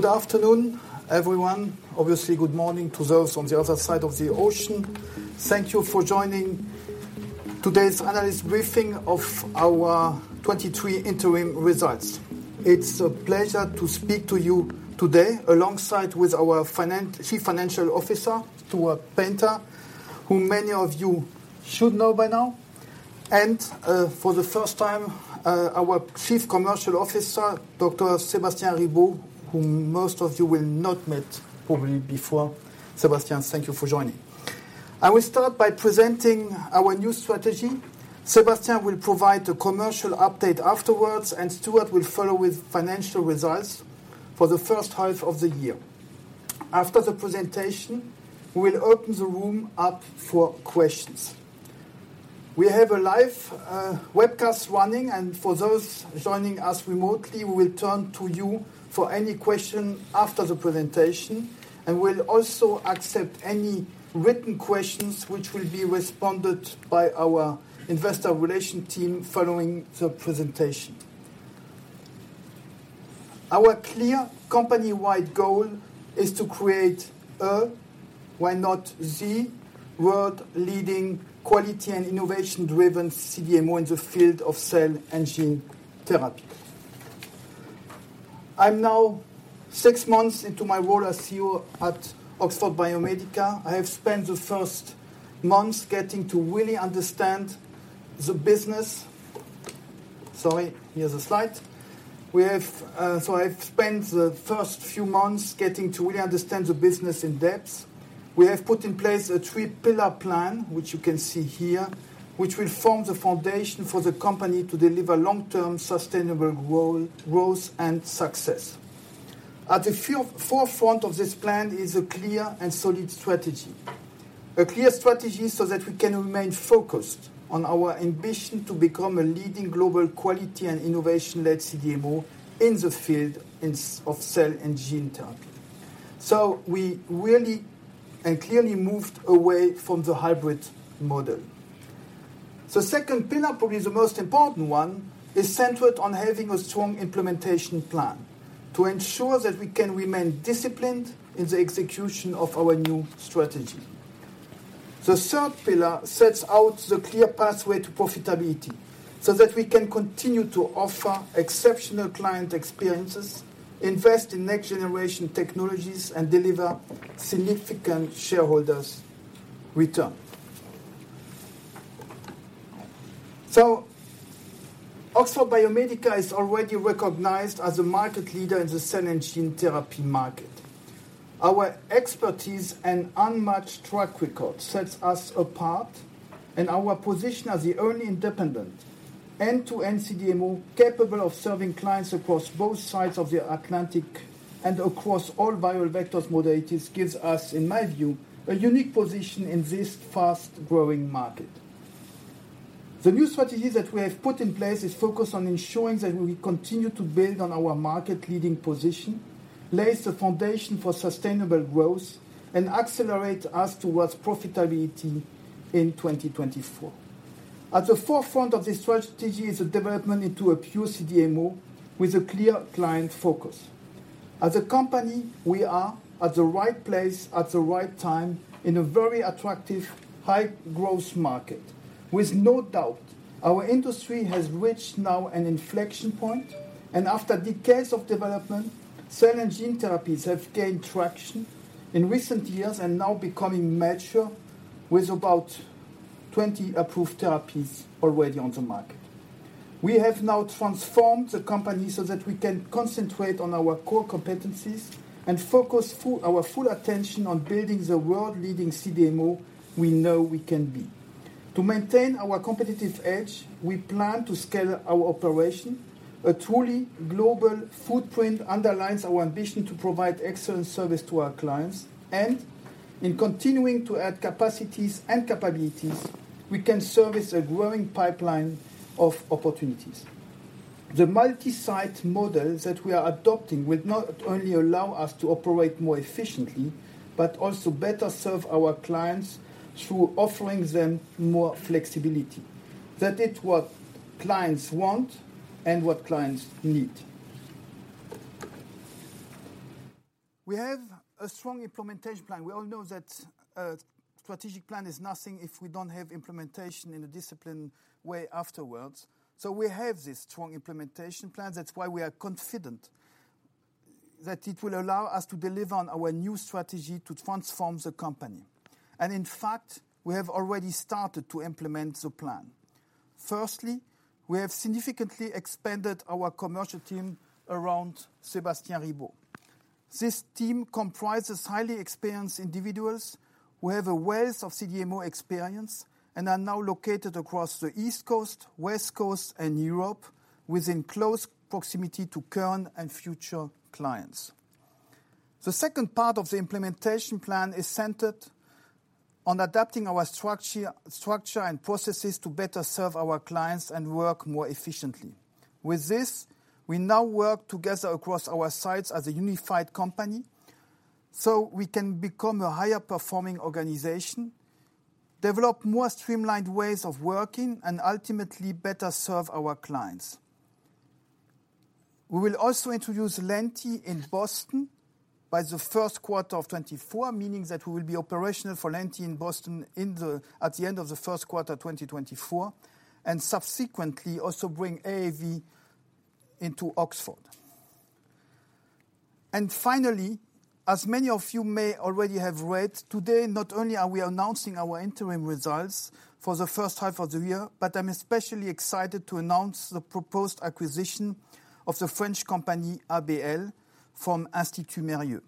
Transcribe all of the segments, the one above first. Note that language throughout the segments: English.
Good afternoon, everyone. Obviously, good morning to those on the other side of the ocean. Thank you for joining today's analyst briefing of our 2023 interim results. It's a pleasure to speak to you today, alongside with our Chief Financial Officer, Stuart Paynter, who many of you should know by now, and, for the first time, our Chief Commercial Officer, Dr. Sébastien Ribault, whom most of you will not met probably before. Sébastien, thank you for joining. I will start by presenting our new strategy. Sébastien will provide a commercial update afterwards, and Stuart will follow with financial results for the first half of the year. After the presentation, we'll open the room up for questions. We have a live webcast running, and for those joining us remotely, we will turn to you for any question after the presentation, and we'll also accept any written questions which will be responded by our investor relation team following the presentation. Our clear company-wide goal is to create a, why not the, world-leading quality and innovation-driven CDMO in the field of cell engineering therapy. I'm now six months into my role as CEO at Oxford Biomedica. I have spent the first months getting to really understand the business. Sorry, here's the slide. We have... I have spent the first few months getting to really understand the business in depth. We have put in place a three-pillar plan, which you can see here, which will form the foundation for the company to deliver long-term, sustainable growth and success. At the forefront of this plan is a clear and solid strategy. A clear strategy so that we can remain focused on our ambition to become a leading global quality and innovation-led CDMO in the field of cell and gene therapy. So we really and clearly moved away from the hybrid model. The second pillar, probably the most important one, is centered on having a strong implementation plan to ensure that we can remain disciplined in the execution of our new strategy. The third pillar sets out the clear pathway to profitability, so that we can continue to offer exceptional client experiences, invest in next-generation technologies, and deliver significant shareholders' return. So Oxford Biomedica is already recognized as a market leader in the cell and gene therapy market. Our expertise and unmatched track record sets us apart, and our position as the only independent end-to-end CDMO, capable of serving clients across both sides of the Atlantic and across all viral vectors modalities gives us, in my view, a unique position in this fast-growing market. The new strategy that we have put in place is focused on ensuring that we continue to build on our market-leading position, lays the foundation for sustainable growth, and accelerates us towards profitability in 2024. At the forefront of this strategy is a development into a pure CDMO with a clear client focus. As a company, we are at the right place at the right time, in a very attractive, high-growth market. With no doubt, our industry has reached now an inflection point, and after decades of development, cell and gene therapies have gained traction in recent years and now becoming mature, with about 20 approved therapies already on the market. We have now transformed the company so that we can concentrate on our core competencies and focus our full attention on building the world-leading CDMO we know we can be. To maintain our competitive edge, we plan to scale our operation. A truly global footprint underlines our ambition to provide excellent service to our clients, and in continuing to add capacities and capabilities, we can service a growing pipeline of opportunities. The multi-site model that we are adopting will not only allow us to operate more efficiently, but also better serve our clients through offering them more flexibility. That is what clients want and what clients need. We have a strong implementation plan. We all know that a strategic plan is nothing if we don't have implementation in a disciplined way afterwards. So we have this strong implementation plan. That's why we are confident that it will allow us to deliver on our new strategy to transform the company. And in fact, we have already started to implement the plan. Firstly, we have significantly expanded our commercial team around Sébastien Ribault. This team comprises highly experienced individuals who have a wealth of CDMO experience and are now located across the East Coast, West Coast, and Europe, within close proximity to current and future clients. The second part of the implementation plan is centered on adapting our structure and processes to better serve our clients and work more efficiently. With this, we now work together across our sites as a unified company, so we can become a higher-performing organization, develop more streamlined ways of working, and ultimately better serve our clients. We will also introduce Lenti in Boston by the first quarter of 2024, meaning that we will be operational for Lenti in Boston at the end of the first quarter, 2024, and subsequently also bring AAV into Oxford. Finally, as many of you may already have read, today, not only are we announcing our interim results for the first half of the year, but I'm especially excited to announce the proposed acquisition of the French company, ABL Europe, from Institut Mérieux.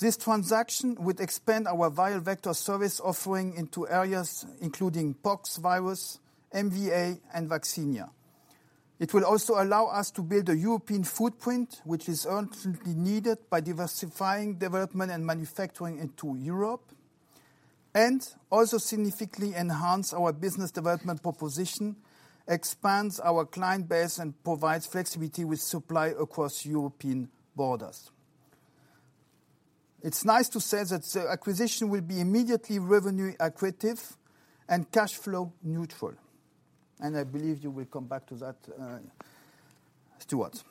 This transaction would expand our viral vector service offering into areas including poxvirus, MVA, and vaccinia. It will also allow us to build a European footprint, which is urgently needed by diversifying development and manufacturing into Europe, and also significantly enhance our business development proposition, expands our client base, and provides flexibility with supply across European borders. It's nice to say that the acquisition will be immediately revenue accretive and cash flow neutral, and I believe you will come back to that, Stuart.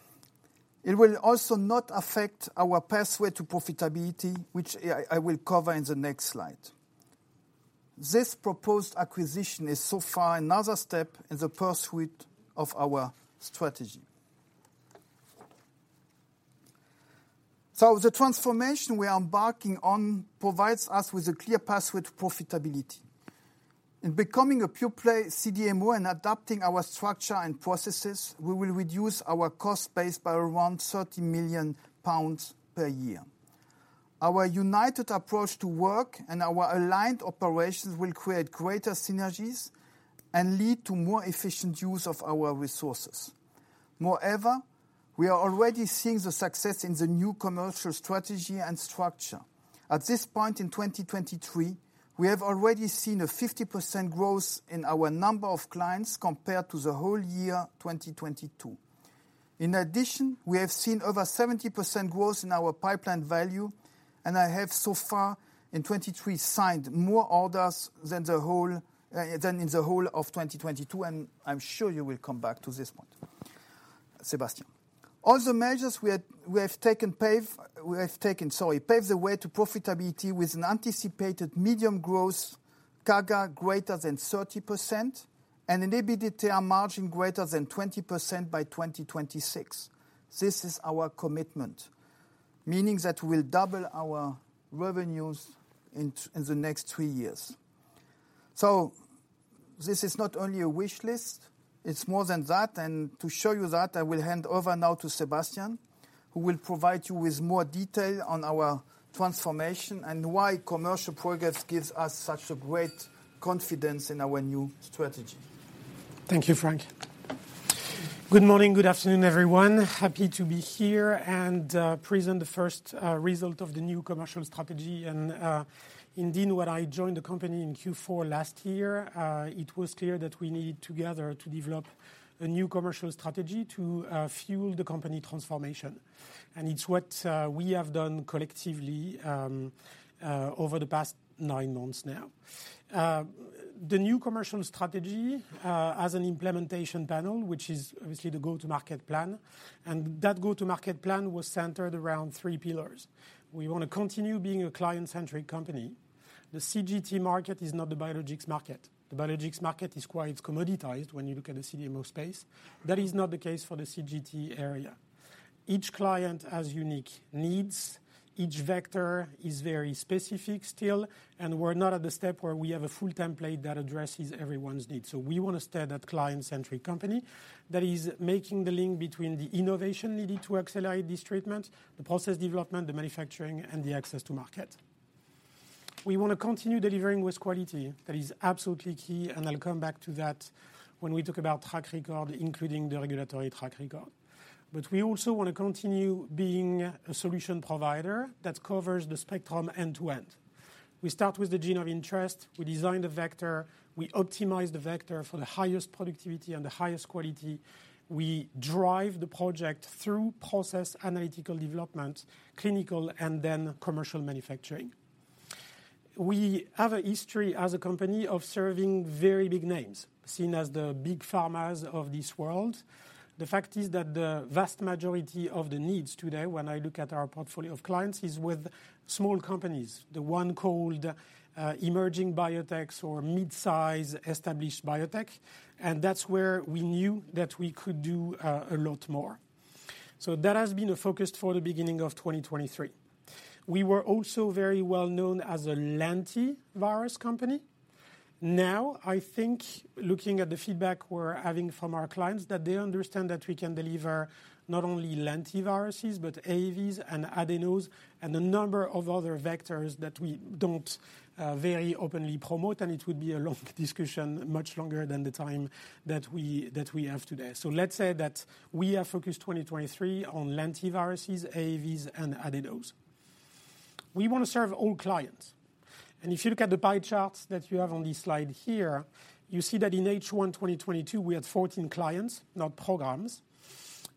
It will also not affect our pathway to profitability, which I will cover in the next slide. This proposed acquisition is so far another step in the pursuit of our strategy. So the transformation we are embarking on provides us with a clear pathway to profitability. In becoming a pure-play CDMO and adapting our structure and processes, we will reduce our cost base by around 30 million pounds per year. Our united approach to work and our aligned operations will create greater synergies and lead to more efficient use of our resources. Moreover, we are already seeing the success in the new commercial strategy and structure. At this point in 2023, we have already seen a 50% growth in our number of clients, compared to the whole year, 2022. In addition, we have seen over 70% growth in our pipeline value, and I have so far, in 2023, signed more orders than the whole, than in the whole of 2022, and I'm sure you will come back to this point, Sébastien. All the measures we have taken pave the way to profitability with an anticipated medium growth CAGR greater than 30% and an EBITDA margin greater than 20% by 2026. This is our commitment, meaning that we'll double our revenues in the next three years. So this is not only a wish list, it's more than that, and to show you that, I will hand over now to Sébastien, who will provide you with more detail on our transformation and why commercial progress gives us such a great confidence in our new strategy. Thank you, Frank. Good morning, good afternoon, everyone. Happy to be here and present the first result of the new commercial strategy. Indeed, when I joined the company in Q4 last year, it was clear that we need together to develop a new commercial strategy to fuel the company transformation. It's what we have done collectively over the past nine months now. The new commercial strategy has an implementation panel, which is obviously the go-to-market plan, and that go-to-market plan was centered around three pillars. We want to continue being a client-centric company. The CGT market is not the biologics market. The biologics market is quite commoditized when you look at the CDMO space. That is not the case for the CGT area. Each client has unique needs. Each vector is very specific still, and we're not at the step where we have a full template that addresses everyone's needs. So we want to stay that client-centric company that is making the link between the innovation needed to accelerate this treatment, the process development, the manufacturing, and the access to market. We want to continue delivering with quality. That is absolutely key, and I'll come back to that when we talk about track record, including the regulatory track record. But we also want to continue being a solution provider that covers the spectrum end to end. We start with the gene of interest, we design the vector, we optimize the vector for the highest productivity and the highest quality. We drive the project through process, analytical development, clinical, and then commercial manufacturing. We have a history as a company of serving very big names, seen as the big pharmas of this world. The fact is that the vast majority of the needs today, when I look at our portfolio of clients, is with small companies, the ones called emerging biotechs or mid-size established biotech, and that's where we knew that we could do a lot more. So that has been a focus for the beginning of 2023. We were also very well known as a Lentivirus company. Now, I think, looking at the feedback we're having from our clients, that they understand that we can deliver not only Lentiviruses, but AAVs and Adenoviruses, and a number of other vectors that we don't very openly promote, and it would be a long discussion, much longer than the time that we have today. So let's say that we are focused 2023 on Lentiviruses, AAVs, and Adenoviruses. We want to serve all clients, and if you look at the pie charts that you have on this slide here, you see that in H1 2022, we had 14 clients, not programs.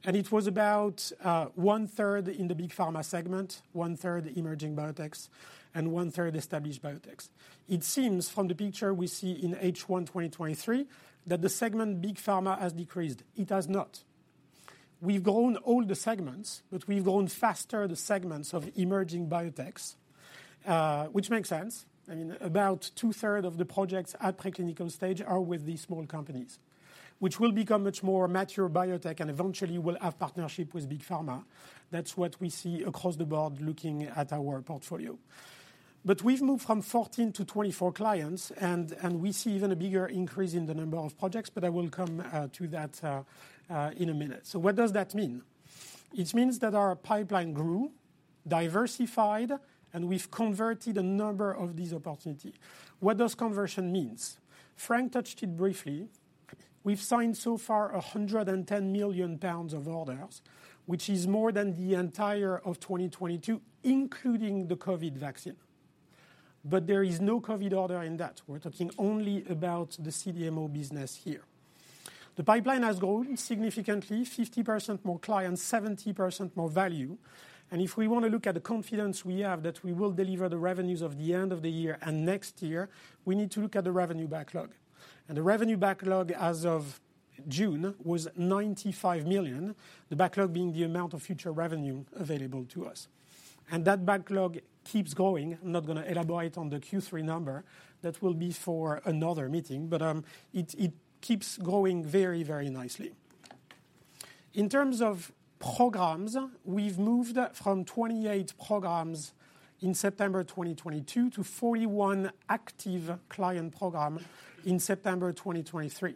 And it was about one third in the big pharma segment, one third emerging biotechs, and one third established biotechs. It seems from the picture we see in H1 2023 that the segment big pharma has decreased. It has not. We've grown all the segments, but we've grown faster the segments of emerging biotechs, which makes sense. I mean, about two-thirds of the projects at preclinical stage are with these small companies, which will become much more mature biotech and eventually will have partnership with big pharma. That's what we see across the board, looking at our portfolio. We've moved from 14 to 24 clients and we see even a bigger increase in the number of projects, but I will come to that in a minute. What does that mean? It means that our pipeline grew, diversified, and we've converted a number of these opportunities. What does conversion mean? Frank touched it briefly. We've signed so far 110 million pounds of orders, which is more than the entire of 2022, including the COVID vaccine. There is no COVID order in that. We're talking only about the CDMO business here. The pipeline has grown significantly, 50% more clients, 70% more value, and if we want to look at the confidence we have that we will deliver the revenues of the end of the year and next year, we need to look at the revenue backlog. The revenue backlog, as of June, was 95 million. The backlog being the amount of future revenue available to us. That backlog keeps growing. I'm not gonna elaborate on the Q3 number. That will be for another meeting, but it keeps growing very, very nicely. In terms of programs, we've moved from 28 programs in September 2022 to 41 active client program in September 2023.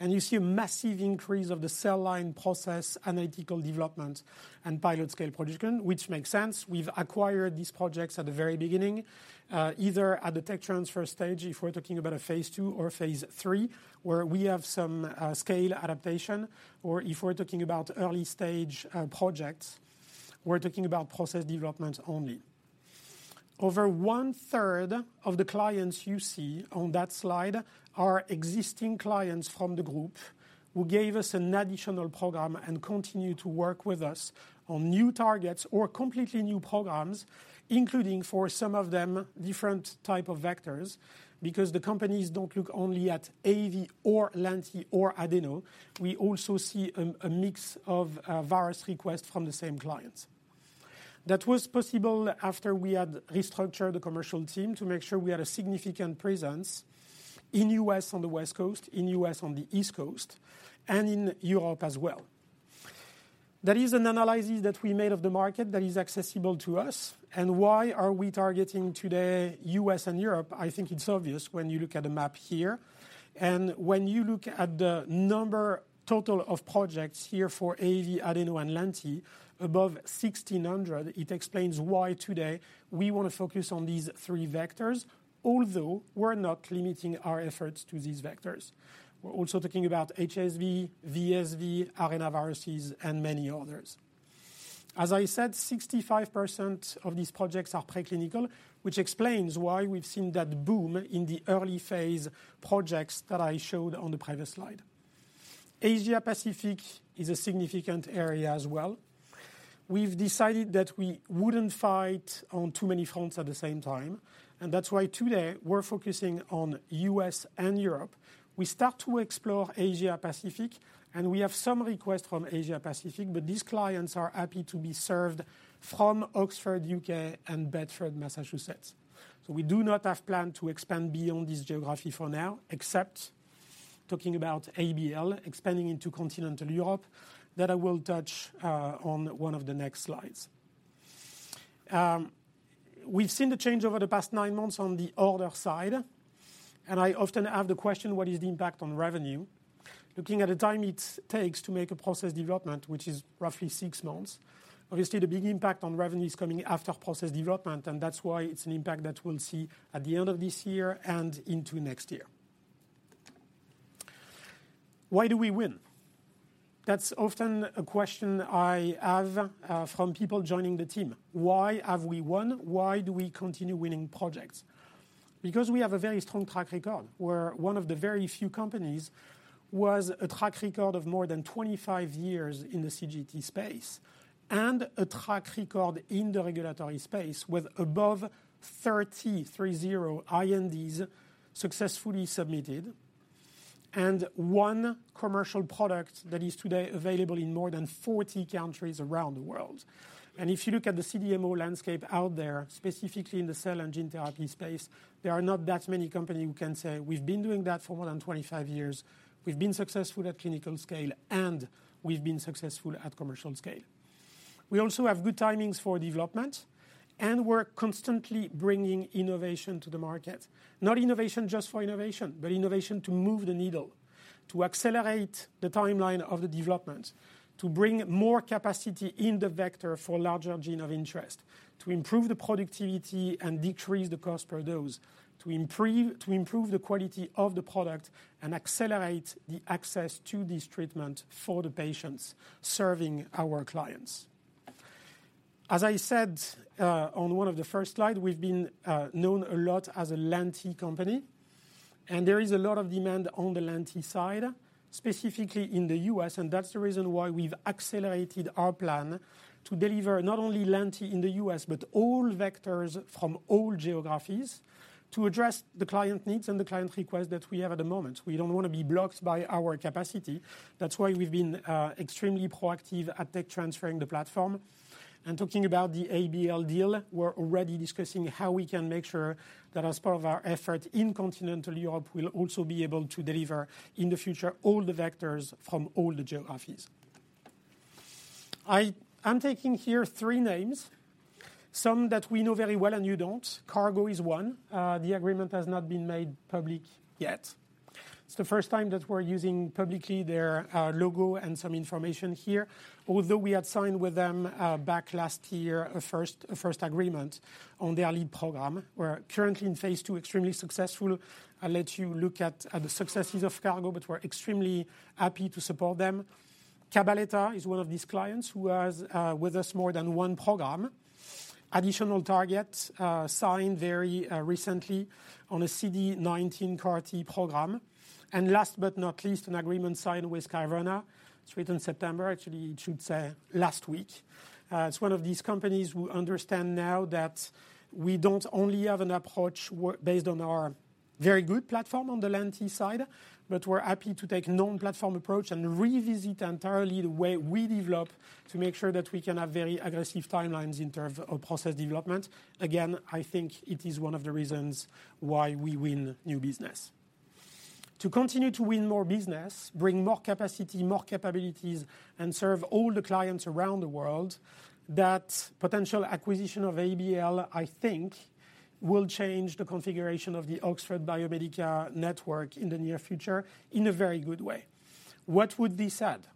You see a massive increase of the cell line process, analytical development, and pilot scale production, which makes sense. We've acquired these projects at the very beginning, either at the tech transfer stage, if we're talking about a phase two or phase three, where we have some scale adaptation, or if we're talking about early stage projects, we're talking about process development only. Over one third of the clients you see on that slide are existing clients from the group, who gave us an additional program and continue to work with us on new targets or completely new programs, including, for some of them, different type of vectors, because the companies don't look only at AAV or Lenti or Adeno. We also see a mix of virus requests from the same clients. That was possible after we had restructured the commercial team to make sure we had a significant presence in U.S. on the West Coast, in U.S. on the East Coast, and in Europe as well. There is an analysis that we made of the market that is accessible to us, and why are we targeting today U.S. and Europe? I think it's obvious when you look at the map here, and when you look at the number, total of projects here for AAV, Adeno, and Lenti, above 1,600, it explains why today we want to focus on these three vectors, although we're not limiting our efforts to these vectors. We're also talking about HSV, VSV, arenaviruses, and many others. As I said, 65% of these projects are preclinical, which explains why we've seen that boom in the early phase projects that I showed on the previous slide. Asia Pacific is a significant area as well. We've decided that we wouldn't fight on too many fronts at the same time, and that's why today we're focusing on U.S. and Europe. We start to explore Asia Pacific, and we have some requests from Asia Pacific, but these clients are happy to be served from Oxford, U.K., and Bedford, Massachusetts. So we do not have plan to expand beyond this geography for now, except talking about ABL expanding into continental Europe, that I will touch on one of the next slides. We've seen the change over the past nine months on the order side, and I often have the question: What is the impact on revenue? Looking at the time it takes to make a process development, which is roughly six months, obviously the big impact on revenue is coming after process development, and that's why it's an impact that we'll see at the end of this year and into next year. Why do we win? That's often a question I have from people joining the team. Why have we won? Why do we continue winning projects? Because we have a very strong track record. We're one of the very few companies with a track record of more than 25 years in the CGT space, and a track record in the regulatory space, with above 330 INDs successfully submitted, and one commercial product that is today available in more than 40 countries around the world. If you look at the CDMO landscape out there, specifically in the cell and gene therapy space, there are not that many companies who can say, "We've been doing that for more than 25 years. We've been successful at clinical scale, and we've been successful at commercial scale." We also have good timings for development, and we're constantly bringing innovation to the market. Not innovation just for innovation, but innovation to move the needle, to accelerate the timeline of the development, to bring more capacity in the vector for larger gene of interest, to improve the productivity and decrease the cost per dose, to improve the quality of the product and accelerate the access to this treatment for the patients serving our clients. As I said, on one of the first slide, we've been known a lot as a Lenti company, and there is a lot of demand on the Lenti side, specifically in the U.S., and that's the reason why we've accelerated our plan to deliver not only Lenti in the U.S., but all vectors from all geographies to address the client needs and the client requests that we have at the moment. We don't wanna be blocked by our capacity. That's why we've been extremely proactive at tech transferring the platform. Talking about the ABL deal, we're already discussing how we can make sure that as part of our effort in Continental Europe, we'll also be able to deliver, in the future, all the vectors from all the geographies. I'm taking here three names, some that we know very well, and you don't. Cargo is one. The agreement has not been made public yet. It's the first time that we're using publicly their logo and some information here. Although we had signed with them back last year, a first, a first agreement on their lead program. We're currently in phase two, extremely successful. I'll let you look at the successes of Cargo, but we're extremely happy to support them. Cabaletta is one of these clients who has with us more than one program. Additional targets signed very recently on a CD19 CAR T program. And last but not least, an agreement signed with Kyverna. It's written September. Actually, it should say last week. It's one of these companies who understand now that we don't only have an approach based on our very good platform on the Lenti side, but we're happy to take non-platform approach and revisit entirely the way we develop, to make sure that we can have very aggressive timelines in terms of process development. Again, I think it is one of the reasons why we win new business. To continue to win more business, bring more capacity, more capabilities, and serve all the clients around the world, that potential acquisition of ABL, I think, will change the configuration of the Oxford Biomedica network in the near future, in a very good way. What would this add?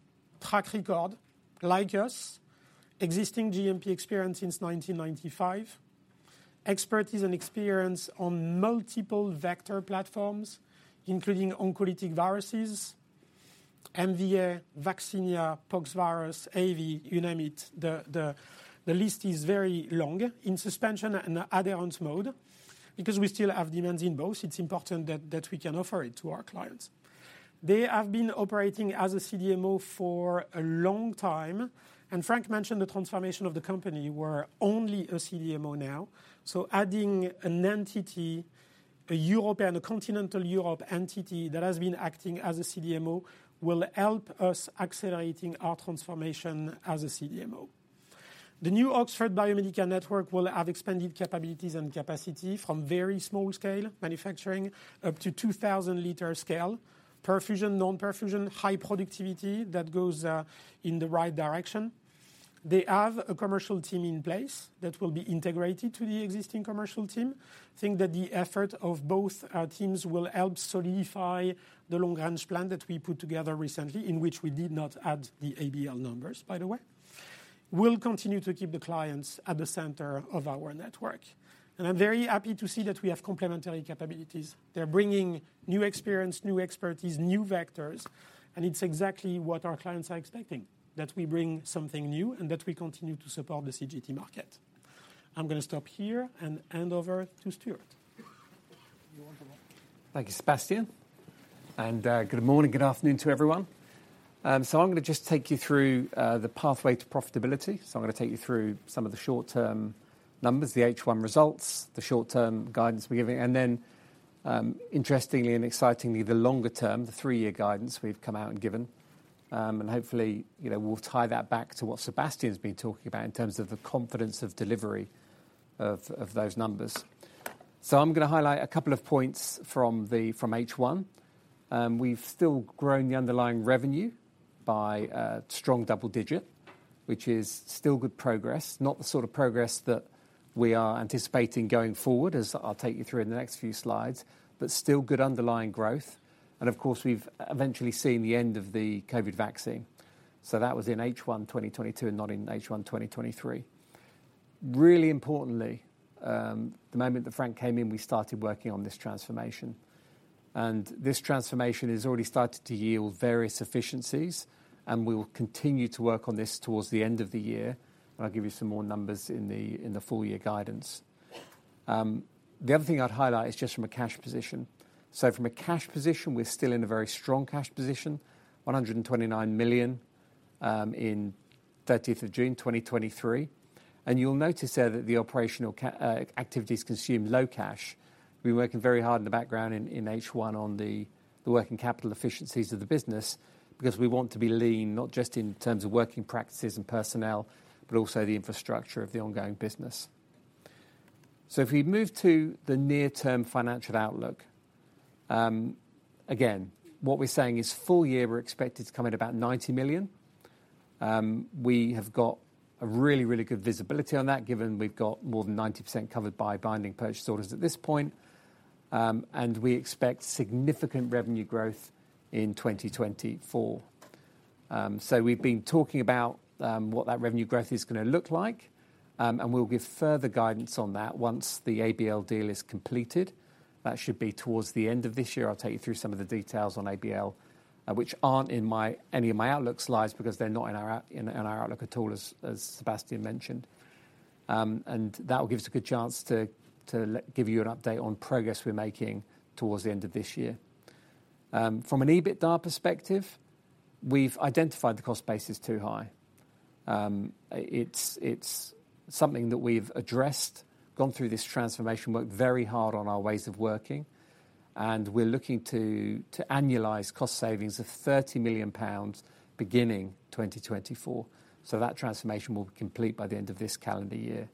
Track record, like us, existing GMP experience since 1995, expertise and experience on multiple vector platforms, including oncolytic viruses, MVA, vaccinia, pox virus, AAV, you name it. The list is very long in suspension and adherence mode. Because we still have demands in both, it's important that, that we can offer it to our clients. They have been operating as a CDMO for a long time, and Frank mentioned the transformation of the company. We're only a CDMO now, so adding an entity, a European, a continental Europe entity that has been acting as a CDMO, will help us accelerating our transformation as a CDMO. The new Oxford Biomedica network will have expanded capabilities and capacity from very small scale manufacturing, up to 2,000-liter scale. Perfusion, non-perfusion, high productivity, that goes in the right direction. They have a commercial team in place that will be integrated to the existing commercial team. I think that the effort of both our teams will help solidify the long-range plan that we put together recently, in which we did not add the ABL numbers, by the way. We'll continue to keep the clients at the center of our network, and I'm very happy to see that we have complementary capabilities. They're bringing new experience, new expertise, new vectors, and it's exactly what our clients are expecting: that we bring something new, and that we continue to support the CGT market. I'm gonna stop here and hand over to Stuart. Thank you, Sébastien, and good morning, good afternoon to everyone. So I'm gonna just take you through the pathway to profitability. So I'm gonna take you through some of the short-term numbers, the H1 results, the short-term guidance we're giving, and then, interestingly and excitingly, the longer term, the three-year guidance we've come out and given. And hopefully, you know, we'll tie that back to what Sébastien's been talking about in terms of the confidence of delivery of those numbers. So I'm gonna highlight a couple of points from the from H1. We've still grown the underlying revenue by a strong double-digit, which is still good progress. Not the sort of progress that we are anticipating going forward, as I'll take you through in the next few slides, but still good underlying growth. Of course, we've eventually seen the end of the COVID vaccine, so that was in H1 2022 and not in H1 2023. Really importantly, the moment that Frank came in, we started working on this transformation, and this transformation has already started to yield various efficiencies, and we will continue to work on this towards the end of the year. I'll give you some more numbers in the full year guidance. The other thing I'd highlight is just from a cash position. From a cash position, we're still in a very strong cash position, 129 million in 30th of June 2023. You'll notice there that the operational ca- activities consume low cash. We're working very hard in the background in H1 on the working capital efficiencies of the business, because we want to be lean, not just in terms of working practices and personnel, but also the infrastructure of the ongoing business. So if we move to the near-term financial outlook, again, what we're saying is full year, we're expected to come in about 90 million. We have got a really, really good visibility on that, given we've got more than 90% covered by binding purchase orders at this point. And we expect significant revenue growth in 2024. So we've been talking about what that revenue growth is gonna look like, and we'll give further guidance on that once the ABL deal is completed. That should be towards the end of this year. I'll take you through some of the details on ABL, which aren't in any of my outlook slides, because they're not in our outlook at all, as Sébastien mentioned... and that will give us a good chance to give you an update on progress we're making towards the end of this year. From an EBITDA perspective, we've identified the cost base is too high. It's something that we've addressed, gone through this transformation, worked very hard on our ways of working, and we're looking to annualize cost savings of 30 million pounds, beginning 2024. That transformation will be complete by the end of this calendar year.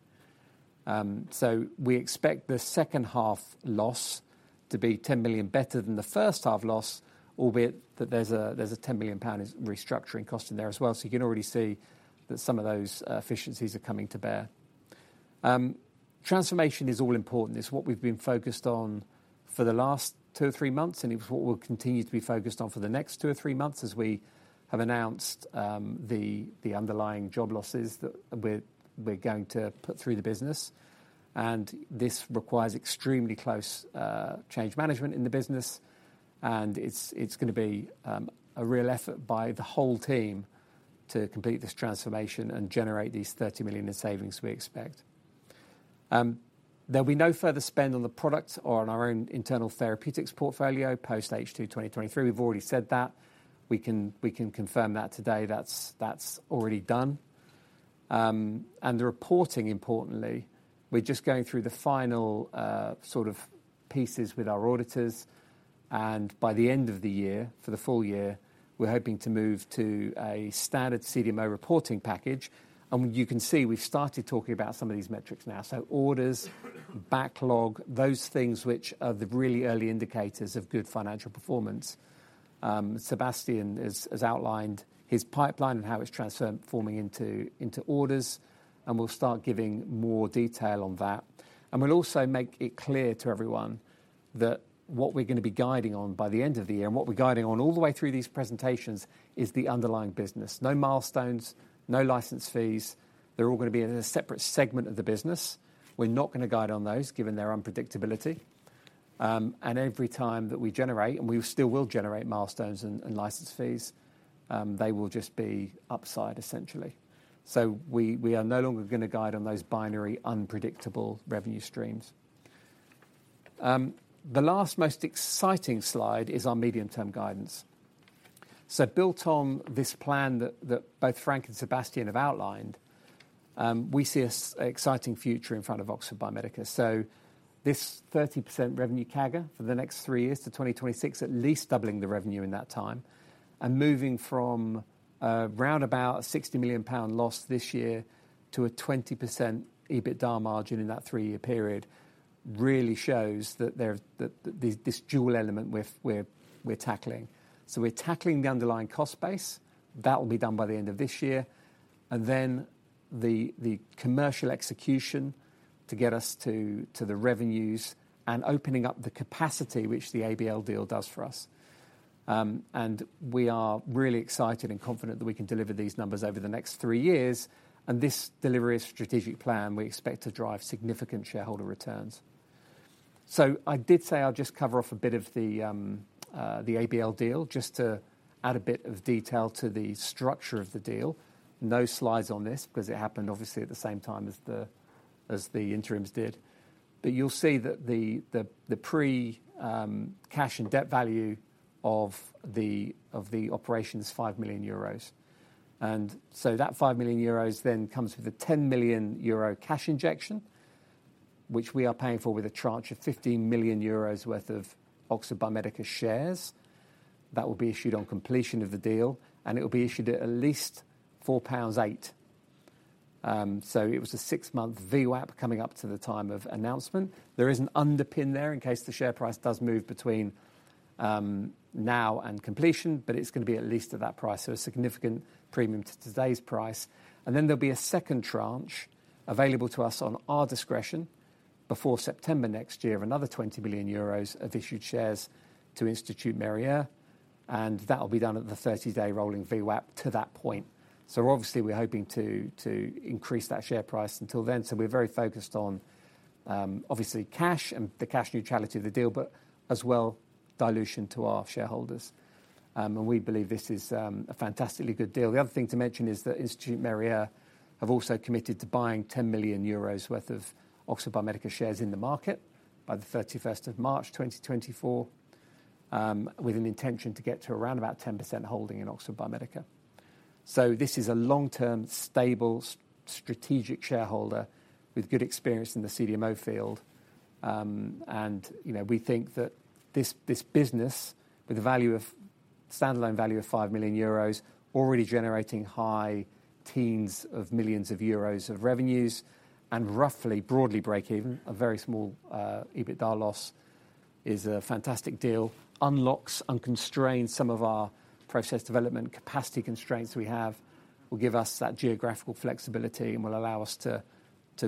We expect the second half loss to be 10 million better than the first half loss, albeit that there's a 10 million pound restructuring cost in there as well. You can already see that some of those efficiencies are coming to bear. Transformation is all important. It's what we've been focused on for the last two or three months, and it's what we'll continue to be focused on for the next two or three months, as we have announced the underlying job losses that we're going to put through the business. This requires extremely close change management in the business, and it's going to be a real effort by the whole team to complete this transformation and generate these 30 million in savings we expect. There'll be no further spend on the product or on our own internal therapeutics portfolio, post H2 2023. We've already said that. We can, we can confirm that today. That's, that's already done. The reporting, importantly, we're just going through the final, sort of pieces with our auditors, and by the end of the year, for the full year, we're hoping to move to a standard CDMO reporting package. You can see, we've started talking about some of these metrics now. Orders, backlog, those things which are the really early indicators of good financial performance. Sebastian has, has outlined his pipeline and how it's transforming into, into orders, and we'll start giving more detail on that. We'll also make it clear to everyone that what we're gonna be guiding on by the end of the year, and what we're guiding on all the way through these presentations, is the underlying business. No milestones, no license fees. They're all gonna be in a separate segment of the business. We're not gonna guide on those, given their unpredictability. Every time that we generate, and we still will generate milestones and license fees, they will just be upside, essentially. We are no longer gonna guide on those binary, unpredictable revenue streams. The last most exciting slide is our medium-term guidance. Built on this plan that both Frank and Sébastien have outlined, we see an exciting future in front of Oxford Biomedica. So this 30% revenue CAGR for the next three years to 2026, at least doubling the revenue in that time, and moving from round about a 60 million pound loss this year, to a 20% EBITDA margin in that three-year period, really shows that this dual element we're tackling. So we're tackling the underlying cost base. That will be done by the end of this year. And then, the commercial execution to get us to the revenues and opening up the capacity, which the ABL deal does for us. And we are really excited and confident that we can deliver these numbers over the next three years, and this delivery and strategic plan, we expect to drive significant shareholder returns. So I did say I'll just cover off a bit of the ABL deal, just to add a bit of detail to the structure of the deal. No slides on this, because it happened obviously at the same time as the interims did. But you'll see that the pre-cash and debt value of the operation is 5 million euros. And so, that 5 million euros then comes with a 10 million euro cash injection, which we are paying for with a tranche of 15 million euros worth of Oxford Biomedica shares. That will be issued on completion of the deal, and it will be issued at 4.08 pounds. So it was a 6-month VWAP coming up to the time of announcement. There is an underpin there, in case the share price does move between now and completion, but it's gonna be at least at that price, so a significant premium to today's price. And then there'll be a second tranche available to us on our discretion, before September next year, another 20 million euros of issued shares to Institut Mérieux, and that will be done at the thirty-day rolling VWAP to that point. So obviously, we're hoping to, to increase that share price until then. So we're very focused on obviously cash, and the cash neutrality of the deal, but as well, dilution to our shareholders. And we believe this is a fantastically good deal. The other thing to mention is that Institut Mérieux have also committed to buying 10 million euros worth of Oxford Biomedica shares in the market by the 31st of March, 2024, with an intention to get to around about 10% holding in Oxford Biomedica. This is a long-term, stable, strategic shareholder with good experience in the CDMO field. You know, we think that this business, with a value of, standalone value of 5 million euros, already generating high teens of millions of euros of revenues, and roughly, broadly break even, a very small, EBITDA loss, is a fantastic deal. Unlocks, unconstrains some of our process development capacity constraints we have, will give us that geographical flexibility, and will allow us to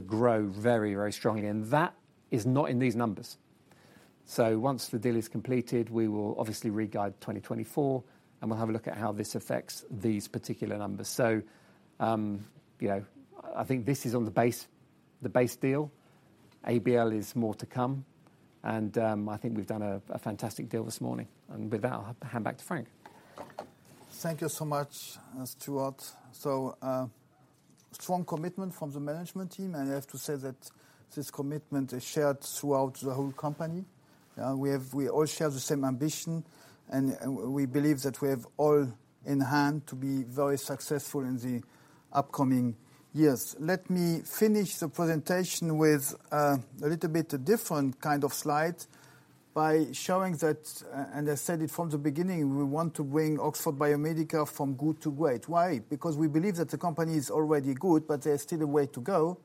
grow very, very strongly. That is not in these numbers. So once the deal is completed, we will obviously re-guide 2024, and we'll have a look at how this affects these particular numbers. So, you know, I think this is on the base, the base deal. ABL is more to come, and, I think we've done a fantastic deal this morning. And with that, I'll hand back to Frank. Thank you so much, Stuart. So, strong commitment from the management team, and I have to say that this commitment is shared throughout the whole company. We all share the same ambition, and we believe that we have all in hand to be very successful in the upcoming years. Let me finish the presentation with a little bit different kind of slide by showing that, and I said it from the beginning, we want to bring Oxford Biomedica from good to great. Why? Because we believe that the company is already good, but there's still a way to go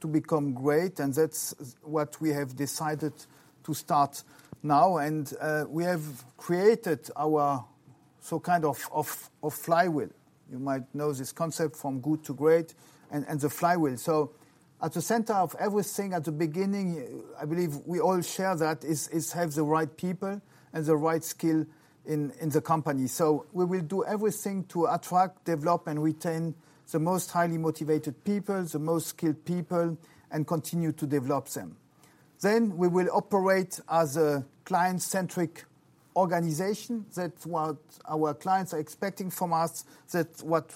to become great, and that's what we have decided to start now. We have created our so kind of flywheel. You might know this concept from good to great and the flywheel. So at the center of everything at the beginning, I believe we all share that is have the right people and the right skill in the company. So we will do everything to attract, develop, and retain the most highly motivated people, the most skilled people, and continue to develop them. Then we will operate as a client-centric organization. That's what our clients are expecting from us, that what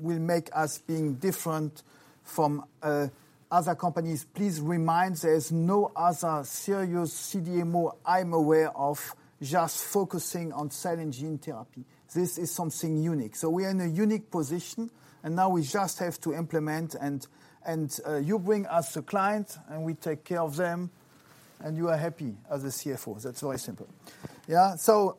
will make us being different from other companies. Please remind there's no other serious CDMO I'm aware of just focusing on cell and gene therapy. This is something unique. So we are in a unique position, and now we just have to implement and you bring us the client, and we take care of them, and you are happy as a CFO. That's very simple. Yeah, so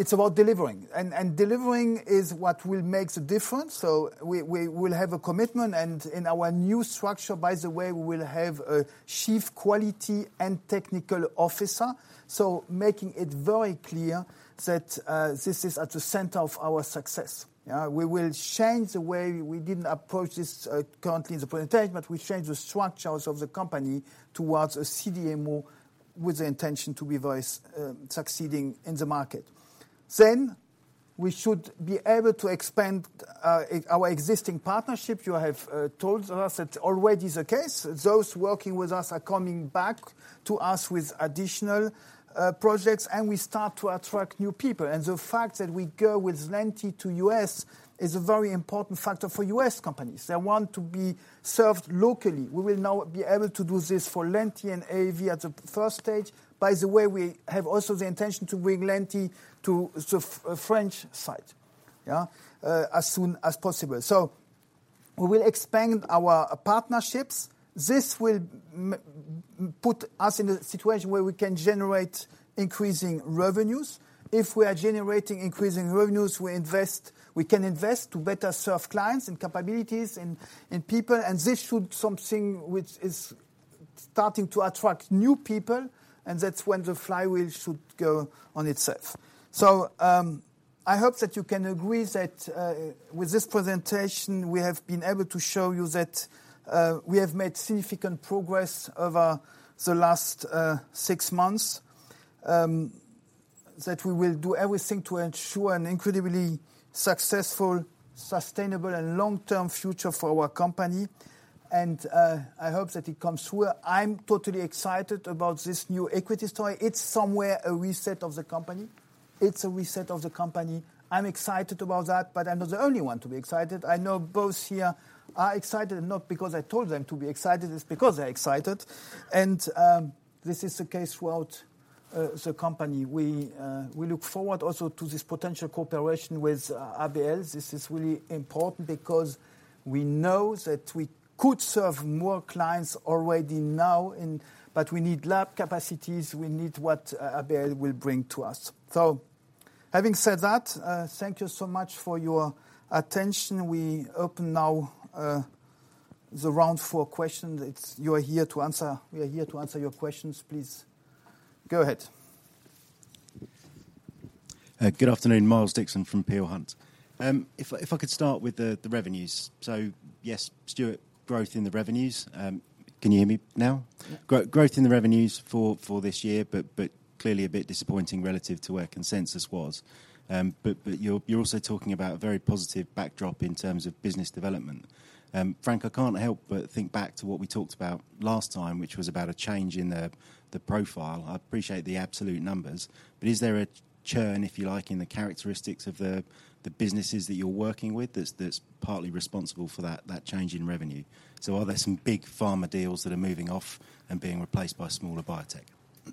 it's about delivering, and, and delivering is what will make the difference. So we, we will have a commitment, and in our new structure, by the way, we will have a chief quality and technical officer. So making it very clear that this is at the center of our success. We will change the way we didn't approach this, currently in the presentation, but we change the structures of the company towards a CDMO with the intention to be very succeeding in the market. Then, we should be able to expand our existing partnership. You have told us that already is the case. Those working with us are coming back to us with additional projects, and we start to attract new people. The fact that we go with Lenti to the U.S. is a very important factor for U.S. companies. They want to be served locally. We will now be able to do this for Lenti and AAV at the first stage. By the way, we have also the intention to bring Lenti to the French site, yeah, as soon as possible. We will expand our partnerships. This will put us in a situation where we can generate increasing revenues. If we are generating increasing revenues, we invest... we can invest to better serve clients and capabilities and people, and this should be something which is starting to attract new people, and that's when the flywheel should go on itself. So, I hope that you can agree that, with this presentation, we have been able to show you that, we have made significant progress over the last, six months. That we will do everything to ensure an incredibly successful, sustainable, and long-term future for our company. And, I hope that it comes through. I'm totally excited about this new equity story. It's somewhere a reset of the company. It's a reset of the company. I'm excited about that, but I'm not the only one to be excited. I know both here are excited, not because I told them to be excited, it's because they're excited. And, this is the case throughout, the company. We, we look forward also to this potential cooperation with, ABL. This is really important because we know that we could serve more clients already now, but we need lab capacities. We need what ABL will bring to us. So having said that, thank you so much for your attention. We open now the round for questions. It's you are here to answer. We are here to answer your questions. Please, go ahead. Good afternoon, Miles Dixon from Peel Hunt. If, if I could start with the, the revenues. So yes, Stuart, growth in the revenues. Can you hear me now? Growth in the revenues for, for this year, but, but clearly a bit disappointing relative to where consensus was. But, but you're, you're also talking about a very positive backdrop in terms of business development. Frank, I can't help but think back to what we talked about last time, which was about a change in the, the profile. I appreciate the absolute numbers, but is there a churn, if you like, in the characteristics of the, the businesses that you're working with, that's, that's partly responsible for that, that change in revenue? So are there some big pharma deals that are moving off and being replaced by smaller biotech?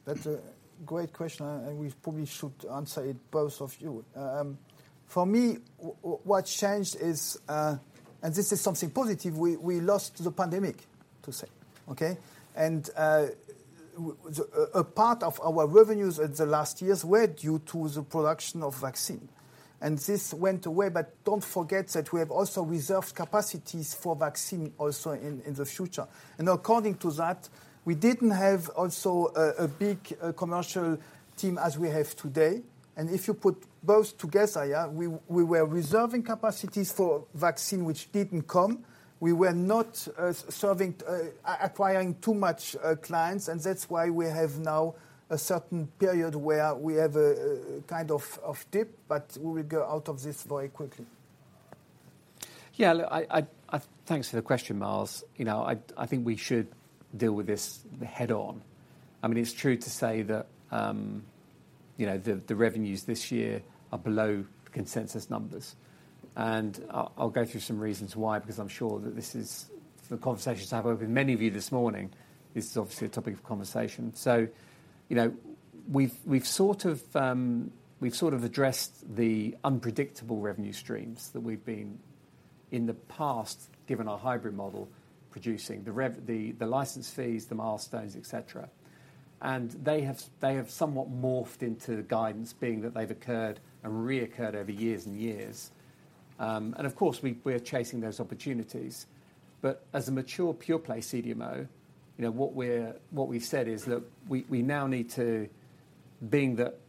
That's a great question, and we probably should answer it, both of you. For me, what changed is, and this is something positive, we lost the pandemic, to say, okay? A part of our revenues in the last years were due to the production of vaccine, and this went away. But don't forget that we have also reserved capacities for vaccine also in the future. And according to that, we didn't have also a big commercial team as we have today. And if you put both together, yeah, we were reserving capacities for vaccine, which didn't come. We were not serving, acquiring too much clients, and that's why we have now a certain period where we have a kind of dip, but we will go out of this very quickly. Yeah, look, I, I, thanks for the question, Miles. You know, I, I think we should deal with this head-on. I mean, it's true to say that, you know, the revenues this year are below consensus numbers. I'll go through some reasons why, because I'm sure that this is the conversations I've had with many of you this morning, this is obviously a topic of conversation. You know, we've sort of addressed the unpredictable revenue streams that we've been, in the past, given our hybrid model, producing the rev-- the license fees, the milestones, et cetera. They have somewhat morphed into the guidance being that they've occurred and reoccurred over years and years. You know, we're chasing those opportunities. As a mature, pure play CDMO, you know, what we've said is, look, we now need to, being that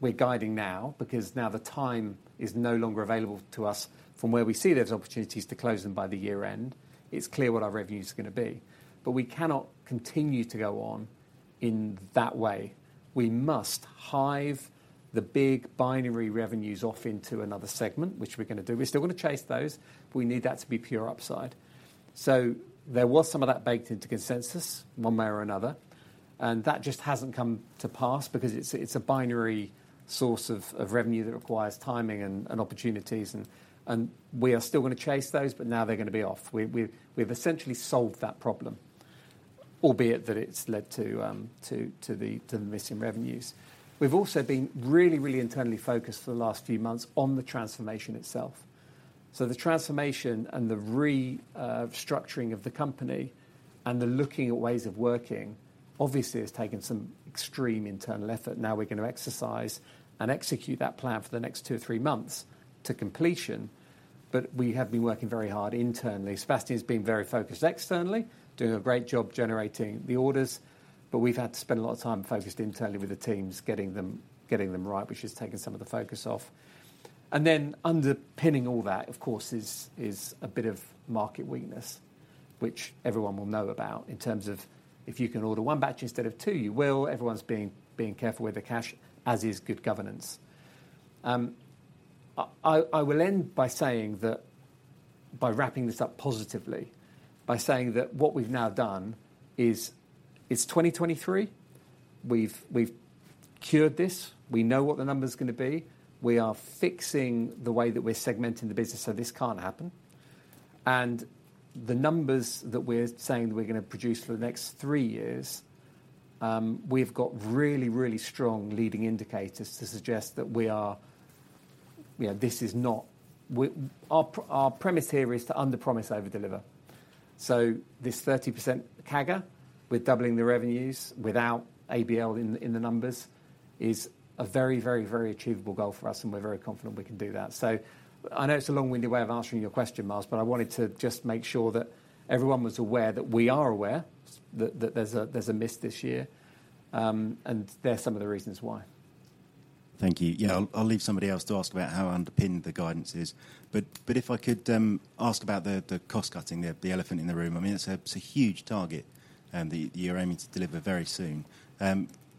we're guiding now, because now the time is no longer available to us from where we see those opportunities to close them by the year end, it's clear what our revenue is gonna be. We cannot continue to go on in that way. We must hive the big binary revenues off into another segment, which we're gonna do. We're still gonna chase those, but we need that to be pure upside. There was some of that baked into consensus, one way or another, and that just hasn't come to pass because it's a binary source of revenue that requires timing and opportunities, and we are still gonna chase those, but now they're gonna be off. We've essentially solved that problem, albeit that it's led to the missing revenues. We've also been really internally focused for the last few months on the transformation itself. So the transformation and the restructuring of the company and the looking at ways of working, obviously, has taken some extreme internal effort. Now we're gonna exercise and execute that plan for the next two or three months to completion, but we have been working very hard internally. Sébastien has been very focused externally, doing a great job generating the orders, but we've had to spend a lot of time focused internally with the teams, getting them right, which has taken some of the focus off. Then, underpinning all that, of course, is a bit of market weakness, which everyone will know about in terms of if you can order one batch instead of two, you will. Everyone's being careful with the cash, as is good governance. I will end by saying that, by wrapping this up positively, by saying that what we've now done is, it's 2023. We've cured this. We know what the number's gonna be. We are fixing the way that we're segmenting the business, so this can't happen. And the numbers that we're saying that we're gonna produce for the next three years, we've got really, really strong leading indicators to suggest that we are... You know, this is not our premise here is to underpromise, overdeliver. This 30% CAGR, with doubling the revenues, without ABL in the numbers, is a very, very, very achievable goal for us, and we're very confident we can do that. I know it's a long-winded way of answering your question, Miles, but I wanted to just make sure that everyone was aware, that we are aware that there's a, there's a miss this year, and there are some of the reasons why. Thank you. Yeah, I'll leave somebody else to ask about how underpinned the guidance is. If I could ask about the cost-cutting there, the elephant in the room. I mean, it's a huge target, and you're aiming to deliver very soon.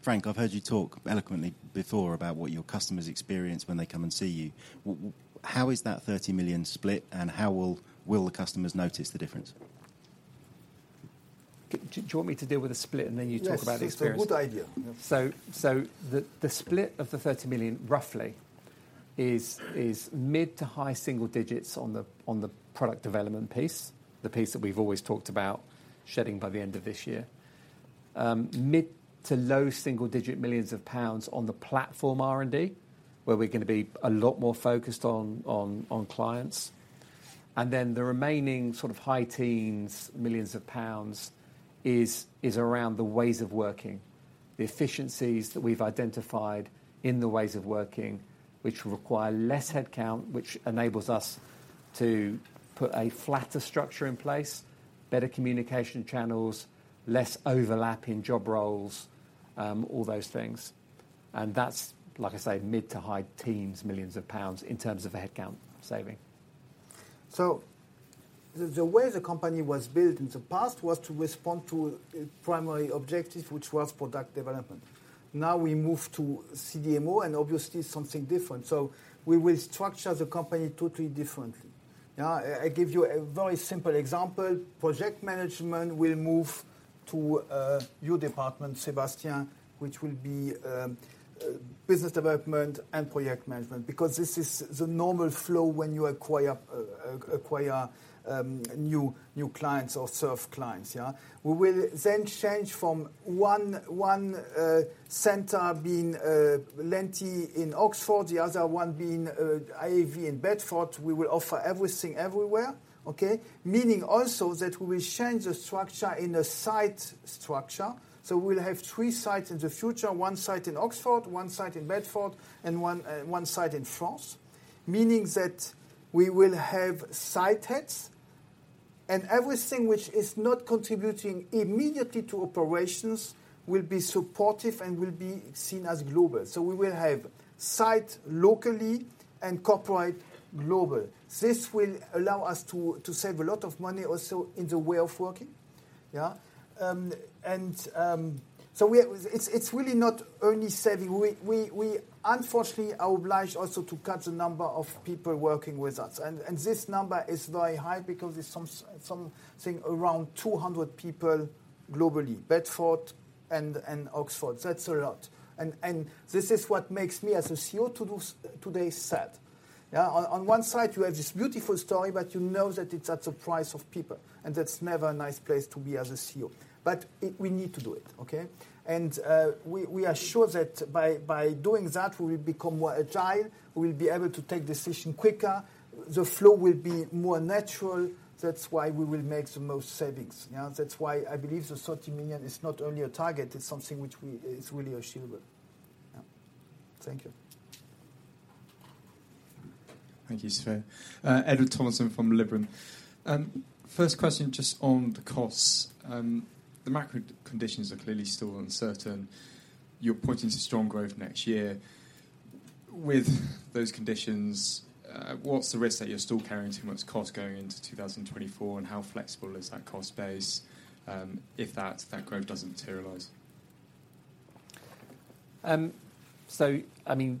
Frank, I've heard you talk eloquently before about what your customers experience when they come and see you. How is that 30 million split, and how will the customers notice the difference? Do you want me to deal with the split, and then you talk about the experience? Yes, it's a good idea. The split of the 30 million, roughly, is mid to high single digits on the product development piece, the piece that we've always talked about shedding by the end of this year. Mid to low single digit millions of pounds on the platform R&D, where we're gonna be a lot more focused on clients. The remaining sort of high teens, millions of pounds is around the ways of working, the efficiencies that we've identified in the ways of working, which require less headcount, which enables us to put a flatter structure in place, better communication channels, less overlap in job roles, all those things. That's, like I say, mid to high teens, millions of pounds in terms of a headcount saving. So the way the company was built in the past was to respond to a primary objective, which was product development. Now, we move to CDMO, and obviously it's something different. So we will structure the company totally differently. Now, I give you a very simple example. Project management will move to a new department, Sébastien, which will be business development and project management, because this is the normal flow when you acquire new clients or serve clients, yeah? We will then change from one center being Lenti in Oxford, the other one being AAV in Bedford. We will offer everything everywhere, okay? Meaning also that we will change the structure in a site structure. We'll have three sites in the future, one site in Oxford, one site in Bedford, and one site in France, meaning that we will have site heads and everything which is not contributing immediately to operations will be supportive and will be seen as global. We will have site locally and corporate global. This will allow us to save a lot of money also in the way of working. Yeah, and, we- it's, it's really not only saving. We, we, we unfortunately are obliged also to cut the number of people working with us, and this number is very high because it's something around 200 people globally, Bedford and Oxford. That's a lot. And this is what makes me, as a CEO, to do-- today, sad. Yeah. On one side, you have this beautiful story, but you know that it's at the price of people, and that's never a nice place to be as a CEO. But it we need to do it, okay? And we are sure that by doing that, we will become more agile, we will be able to take decision quicker, the flow will be more natural. That's why we will make the most savings, yeah? That's why I believe the 30 million is not only a target, it's something which we is really achievable. Yeah. Thank you. Thank you, Stuart. Edward Thompson from Liberum. First question, just on the costs. The macro conditions are clearly still uncertain. You're pointing to strong growth next year. With those conditions, what's the risk that you're still carrying too much cost going into 2024, and how flexible is that cost base, if that growth doesn't materialize? I mean,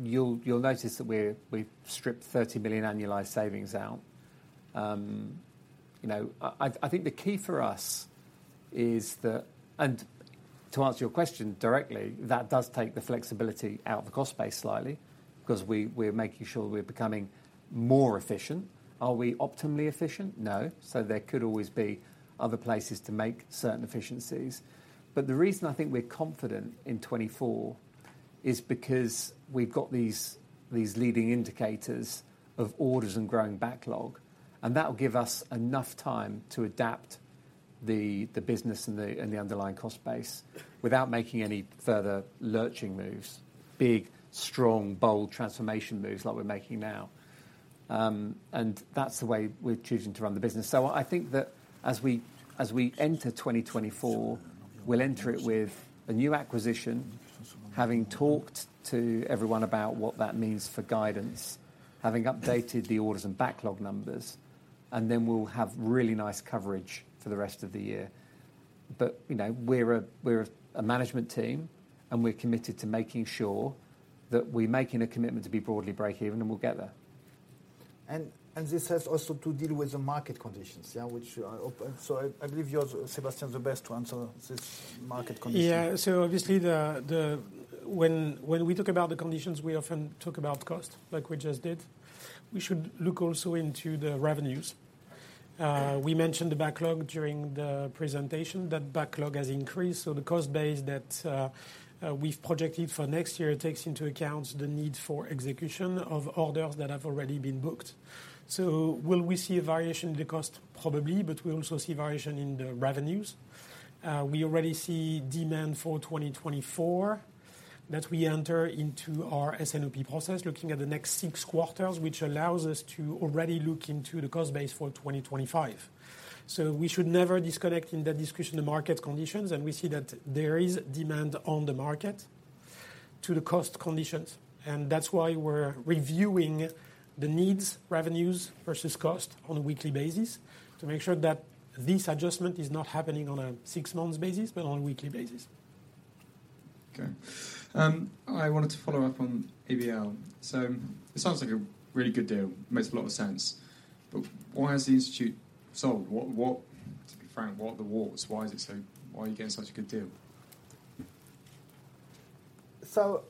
you'll notice that we've stripped $30 million annualized savings out. You know, I think the key for us is that... And to answer your question directly, that does take the flexibility out of the cost base slightly, 'cause we're making sure we're becoming more efficient. Are we optimally efficient? No. So there could always be other places to make certain efficiencies. But the reason I think we're confident in 2024 is because we've got these leading indicators of orders and growing backlog, and that will give us enough time to adapt the business and the underlying cost base, without making any further lurching moves, big, strong, bold transformation moves like we're making now. And that's the way we're choosing to run the business. I think that as we enter 2024, we'll enter it with a new acquisition, having talked to everyone about what that means for guidance, having updated the orders and backlog numbers, and then we'll have really nice coverage for the rest of the year. You know, we're a management team, and we're committed to making sure that we're making a commitment to be broadly break even, and we'll get there. This has also to deal with the market conditions, yeah, which I hope. So I believe you are, Sébastien, the best to answer this market condition. Yeah. So obviously, when we talk about the conditions, we often talk about cost, like we just did. We should look also into the revenues. We mentioned the backlog during the presentation. That backlog has increased, so the cost base that we've projected for next year takes into account the need for execution of orders that have already been booked. So will we see a variation in the cost? Probably, but we'll also see variation in the revenues. We already see demand for 2024, that we enter into our S&OP process, looking at the next six quarters, which allows us to already look into the cost base for 2025. So we should never disconnect in that discussion the market conditions, and we see that there is demand on the market to the cost conditions, and that's why we're reviewing the needs, revenues versus cost on a weekly basis, to make sure that this adjustment is not happening on a six-month basis but on a weekly basis. Okay. I wanted to follow up on ABL. So it sounds like a really good deal, makes a lot of sense, but why is the institute sold? What, what-- Frank, what are the warts? Why is it so-- Why are you getting such a good deal? So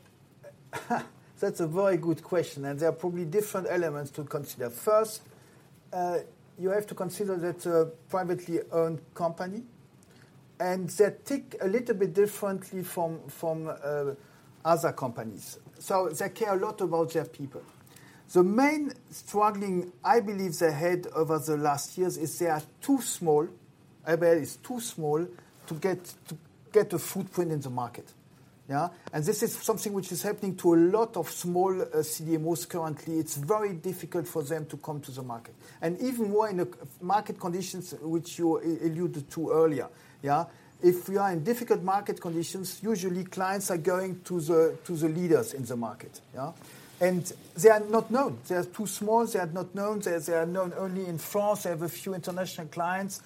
that's a very good question, and there are probably different elements to consider. First, you have to consider that a privately owned company, and they tick a little bit differently from other companies. So they care a lot about their people. The main struggling, I believe, they had over the last years is they are too small. ABL is too small to get a footprint in the market. Yeah? And this is something which is happening to a lot of small CDMOs currently. It's very difficult for them to come to the market, and even more in the market conditions which you alluded to earlier, yeah? If we are in difficult market conditions, usually clients are going to the leaders in the market, yeah? And they are not known. They are too small. They are not known. They, they are known only in France. They have a few international clients.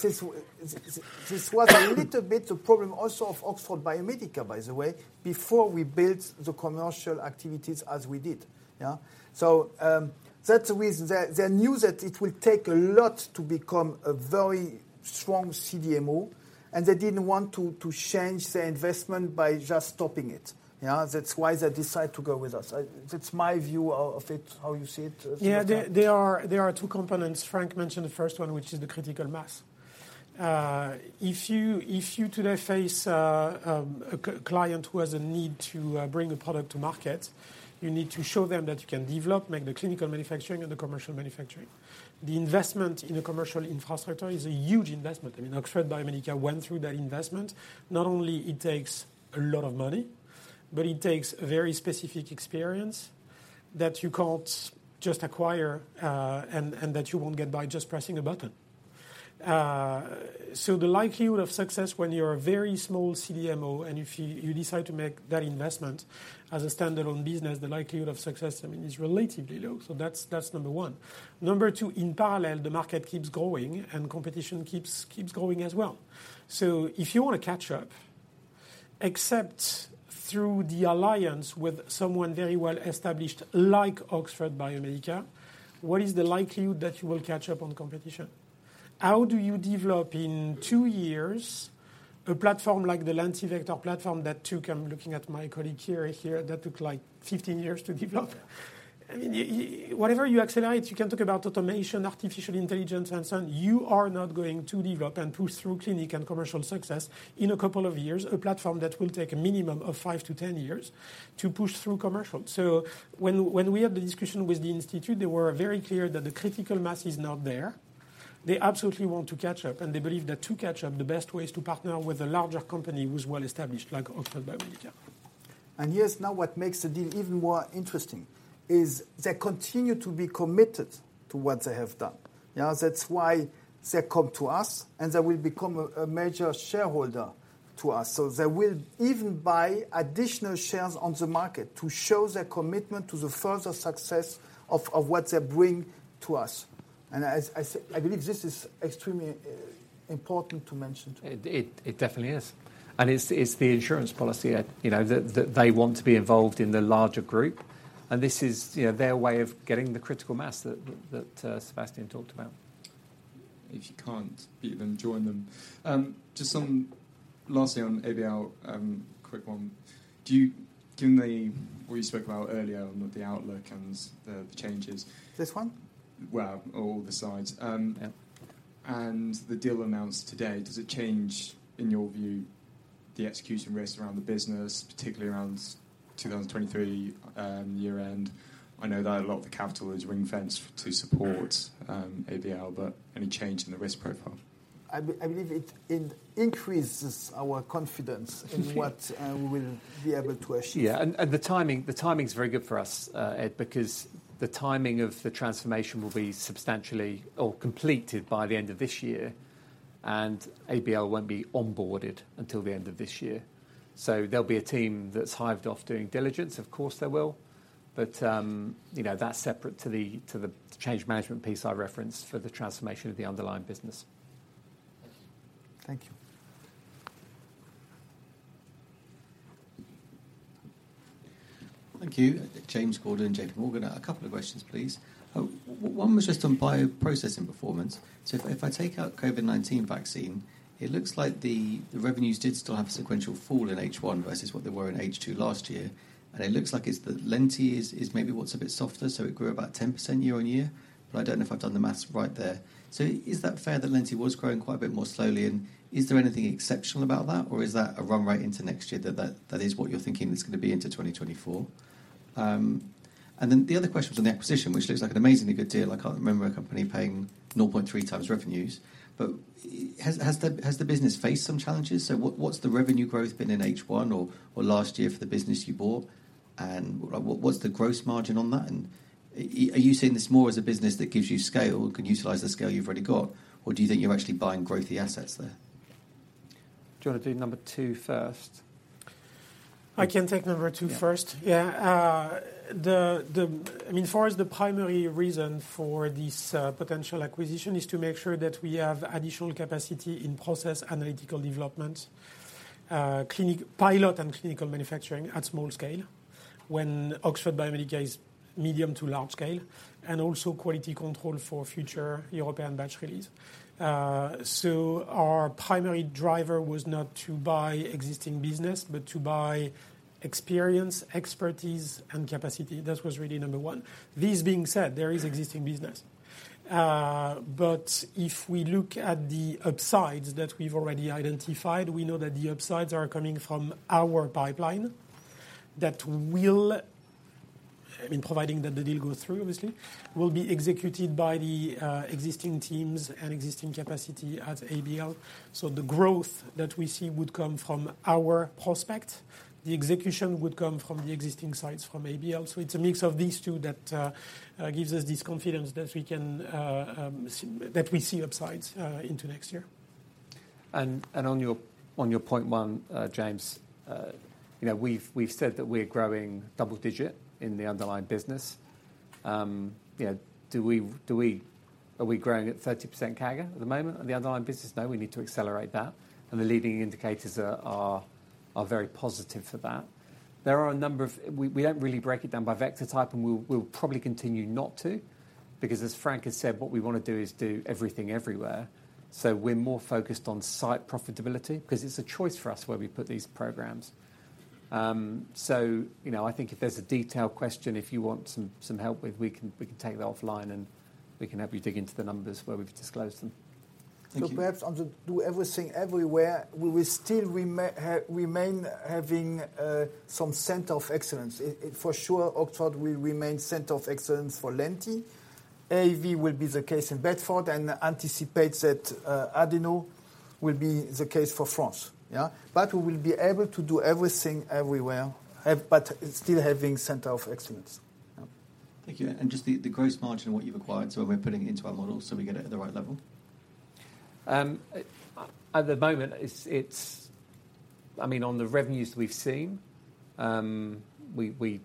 This was a little bit the problem also of Oxford Biomedica, by the way, before we built the commercial activities as we did, yeah? That's the reason. They knew that it would take a lot to become a very strong CDMO, and they didn't want to change their investment by just stopping it, yeah? That's why they decided to go with us. That's my view of it, how you see it, Sébastien? Yeah, there are two components. Frank mentioned the first one, which is the critical mass. If you today face a client who has a need to bring a product to market, you need to show them that you can develop, make the clinical manufacturing and the commercial manufacturing. The investment in a commercial infrastructure is a huge investment. I mean, Oxford Biomedica went through that investment. Not only it takes a lot of money, but it takes very specific experience that you can't just acquire, and that you won't get by just pressing a button. So the likelihood of success when you're a very small CDMO, and if you decide to make that investment as a standalone business, the likelihood of success, I mean, is relatively low. So that's number one. Number two, in parallel, the market keeps growing and competition keeps growing as well. So if you want to catch up, except through the alliance with someone very well established, like Oxford Biomedica, what is the likelihood that you will catch up on competition? How do you develop, in two years, a platform like the LentiVector platform that took... I'm looking at my colleague here that took, like, 15 years to develop? I mean, whatever you accelerate, you can talk about automation, artificial intelligence, and so on, you are not going to develop and push through clinic and commercial success in a couple of years, a platform that will take a minimum of 5-10 years to push through commercial. So when we had the discussion with the institute, they were very clear that the critical mass is not there. They absolutely want to catch up, and they believe that to catch up, the best way is to partner with a larger company who's well-established, like Oxford Biomedica. Here's now what makes the deal even more interesting, is they continue to be committed to what they have done. Yeah? That's why they come to us, and they will become a major shareholder to us. So they will even buy additional shares on the market to show their commitment to the further success of what they bring to us. As I said, I believe this is extremely important to mention. It definitely is. And it's the insurance policy that, you know, that they want to be involved in the larger group. And this is, you know, their way of getting the critical mass that Sébastien talked about. If you can't beat them, join them. Just on... lastly, on ABL, quick one. Do you-- Can the-- What you spoke about earlier, on the outlook and the, the changes. This one? Well, all the sides. Yeah. The deal announced today, does it change, in your view, the execution risk around the business, particularly around 2023 year-end? I know that a lot of the capital is ring-fenced to support ABL, but any change in the risk profile? I believe it increases our confidence in what we will be able to achieve. Yeah, and the timing's very good for us, Ed, because the timing of the transformation will be substantially or completed by the end of this year, and ABL won't be onboarded until the end of this year. So there'll be a team that's hived off doing diligence, of course there will. But, you know, that's separate to the change management piece I referenced for the transformation of the underlying business. Thank you. Thank you. Thank you. James Gordon, JP Morgan. A couple of questions, please. One was just on bioprocessing performance. If I take out COVID-19 vaccine, it looks like the revenues did still have a sequential fall in H1 versus what they were in H2 last year. It looks like it's the Lenti is maybe what's a bit softer, so it grew about 10% year on year, but I don't know if I've done the maths right there. Is that fair, that Lenti was growing quite a bit more slowly, and is there anything exceptional about that, or is that a run rate into next year, that that is what you're thinking it's gonna be into 2024? The other question is on the acquisition, which looks like an amazingly good deal. I can't remember a company paying 0.3x revenues. Has the business faced some challenges? What’s the revenue growth been in H1 or last year for the business you bought, and what's the gross margin on that? Are you seeing this more as a business that gives you scale, can utilize the scale you've already got, or do you think you're actually buying growthy assets there? Do you want to do number 2 first? I can take number two first. Yeah. The... I mean, for us, the primary reason for this potential acquisition is to make sure that we have additional capacity in process analytical development, clinical-pilot and clinical manufacturing at small scale, when Oxford Biomedica is medium to large scale, and also quality control for future European batch release. So our primary driver was not to buy existing business, but to buy experience, expertise, and capacity. That was really number one. This being said, there is existing business. But if we look at the upsides that we've already identified, we know that the upsides are coming from our pipeline. That will, I mean, providing that the deal goes through, obviously, will be executed by the existing teams and existing capacity at ABL. So the growth that we see would come from our prospect. The execution would come from the existing sites from ABL. So it's a mix of these two that gives us this confidence that we can that we see upsides into next year. On your point one, you know, we've said that we're growing double digit in the underlying business. You know, do we-- Are we growing at 30% CAGR at the moment on the underlying business? No, we need to accelerate that, and the leading indicators are very positive for that. There are a number of... We don't really break it down by vector type, and we'll probably continue not to, because as Frank has said, what we want to do is do everything everywhere. We're more focused on site profitability, because it's a choice for us where we put these programs. So, you know, I think if there's a detailed question, if you want some, some help with, we can, we can take that offline, and we can have you dig into the numbers where we've disclosed them. Thank you. So perhaps on the do everything everywhere, we will still remain having some center of excellence. For sure, Oxford will remain center of excellence for Lenti. AAV will be the case in Bedford, and anticipate that Adeno will be the case for France. Yeah? But we will be able to do everything everywhere, but still having center of excellence. Thank you. And just the gross margin, what you've acquired, so we're putting it into our model so we get it at the right level? At the moment, it's—I mean, on the revenues we've seen, we'll have to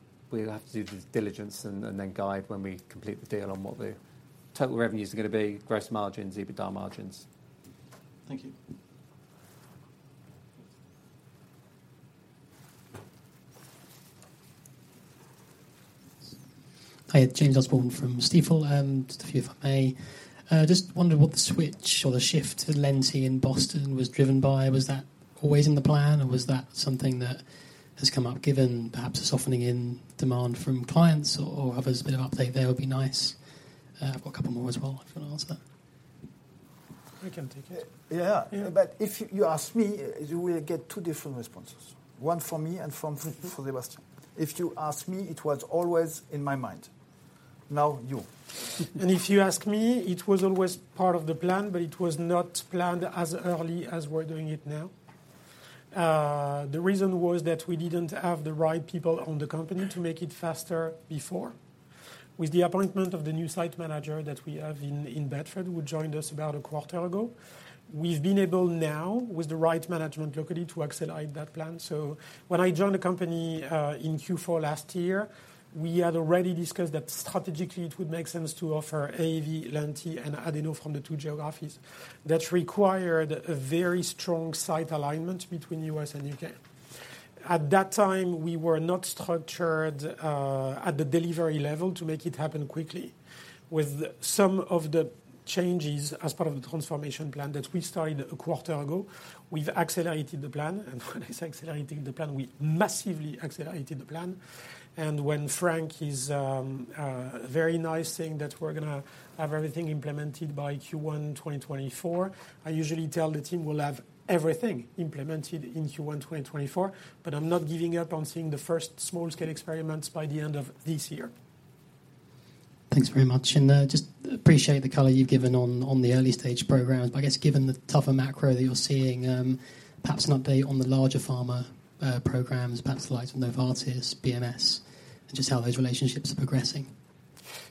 do the diligence and then guide when we complete the deal on what the total revenues are gonna be, gross margins, EBITDA margins. Thank you. Hi, James Osborne from Stifel, and a few if I may. Just wondered what the switch or the shift to Lenti in Boston was driven by. Was that always in the plan, or was that something that has come up, given perhaps a softening in demand from clients or others? A bit of update there would be nice. I've got a couple more as well, if you want to answer that. I can take it. Yeah. Yeah. But if you ask me, you will get two different responses, one from me and from Sébastien. If you ask me, it was always in my mind. Now, you. If you ask me, it was always part of the plan, but it was not planned as early as we're doing it now. The reason was that we didn't have the right people in the company to make it faster before. With the appointment of the new site manager that we have in Bedford, who joined us about a quarter ago, we've been able now, with the right management locally, to accelerate that plan. When I joined the company in Q4 last year, we had already discussed that strategically it would make sense to offer AAV, Lenti, and Adeno from the two geographies. That required a very strong site alignment between the U.S. and U.K. At that time, we were not structured at the delivery level to make it happen quickly. With some of the changes as part of the transformation plan that we started a quarter ago, we've accelerated the plan, and when I say accelerating the plan, we massively accelerated the plan. When Frank is very nice, saying that we're gonna have everything implemented by Q1 2024, I usually tell the team we'll have everything implemented in Q1 2024, but I'm not giving up on seeing the first small-scale experiments by the end of this year. Thanks very much. And, just appreciate the color you've given on the early stage programs. But I guess given the tougher macro that you're seeing, perhaps an update on the larger pharma programs, perhaps the likes of Novartis, BMS, and just how those relationships are progressing.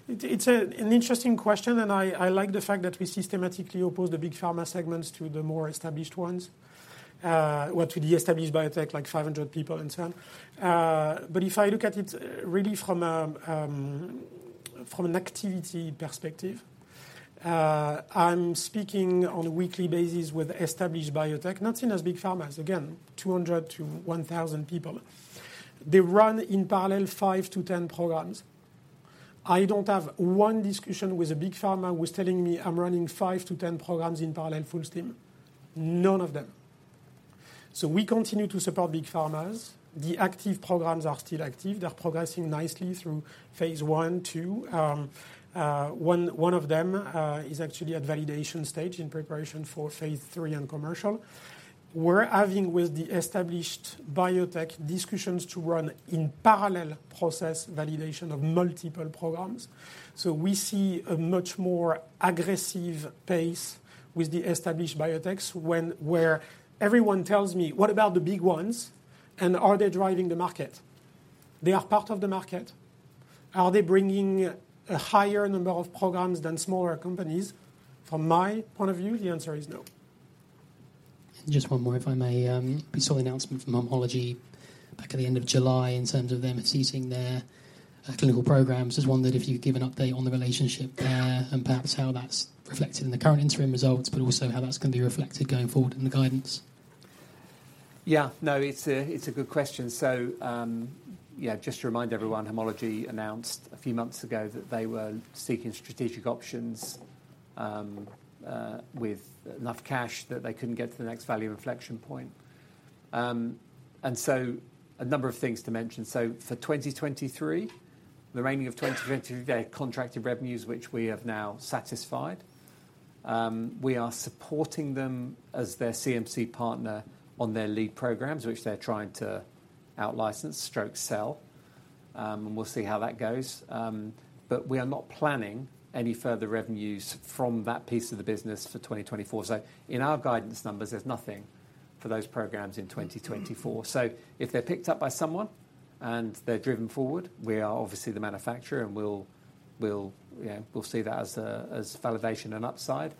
It's an interesting question, and I like the fact that we systematically oppose the big pharma segments to the more established ones. What with the established biotech, like, 500 people and so on. But if I look at it really from an activity perspective, I'm speaking on a weekly basis with established biotech, not seen as big pharmas. Again, 200-1,000 people. They run in parallel 5-10 programs. I don't have 1 discussion with a big pharma who's telling me, "I'm running 5-10 programs in parallel full steam." None of them. So we continue to support big pharmas. The active programs are still active. They're progressing nicely through phase 1, 2. One of them is actually at validation stage in preparation for phase 3 and commercial. We're having with the established biotech discussions to run in parallel process, validation of multiple programs. So we see a much more aggressive pace with the established biotechs, when-- where everyone tells me, "What about the big ones, and are they driving the market?" They are part of the market. Are they bringing a higher number of programs than smaller companies? From my point of view, the answer is no. Just one more, if I may. We saw the announcement from Homology back at the end of July in terms of them ceasing their clinical programs. Just wondered if you'd give an update on the relationship there, and perhaps how that's reflected in the current interim results, but also how that's going to be reflected going forward in the guidance. Yeah. No, it's a good question. So, yeah, just to remind everyone, Homology announced a few months ago that they were seeking strategic options with not enough cash that they couldn't get to the next value inflection point. And so a number of things to mention. So for 2023, the remaining of 2023, they had contracted revenues, which we have now satisfied. We are supporting them as their CMC partner on their lead programs, which they're trying to out-license or sell. And we'll see how that goes. But we are not planning any further revenues from that piece of the business for 2024. So in our guidance numbers, there's nothing for those programs in 2024. If they're picked up by someone and they're driven forward, we are obviously the manufacturer, and we'll, we'll, yeah, we'll see that as, you know, as validation and upside.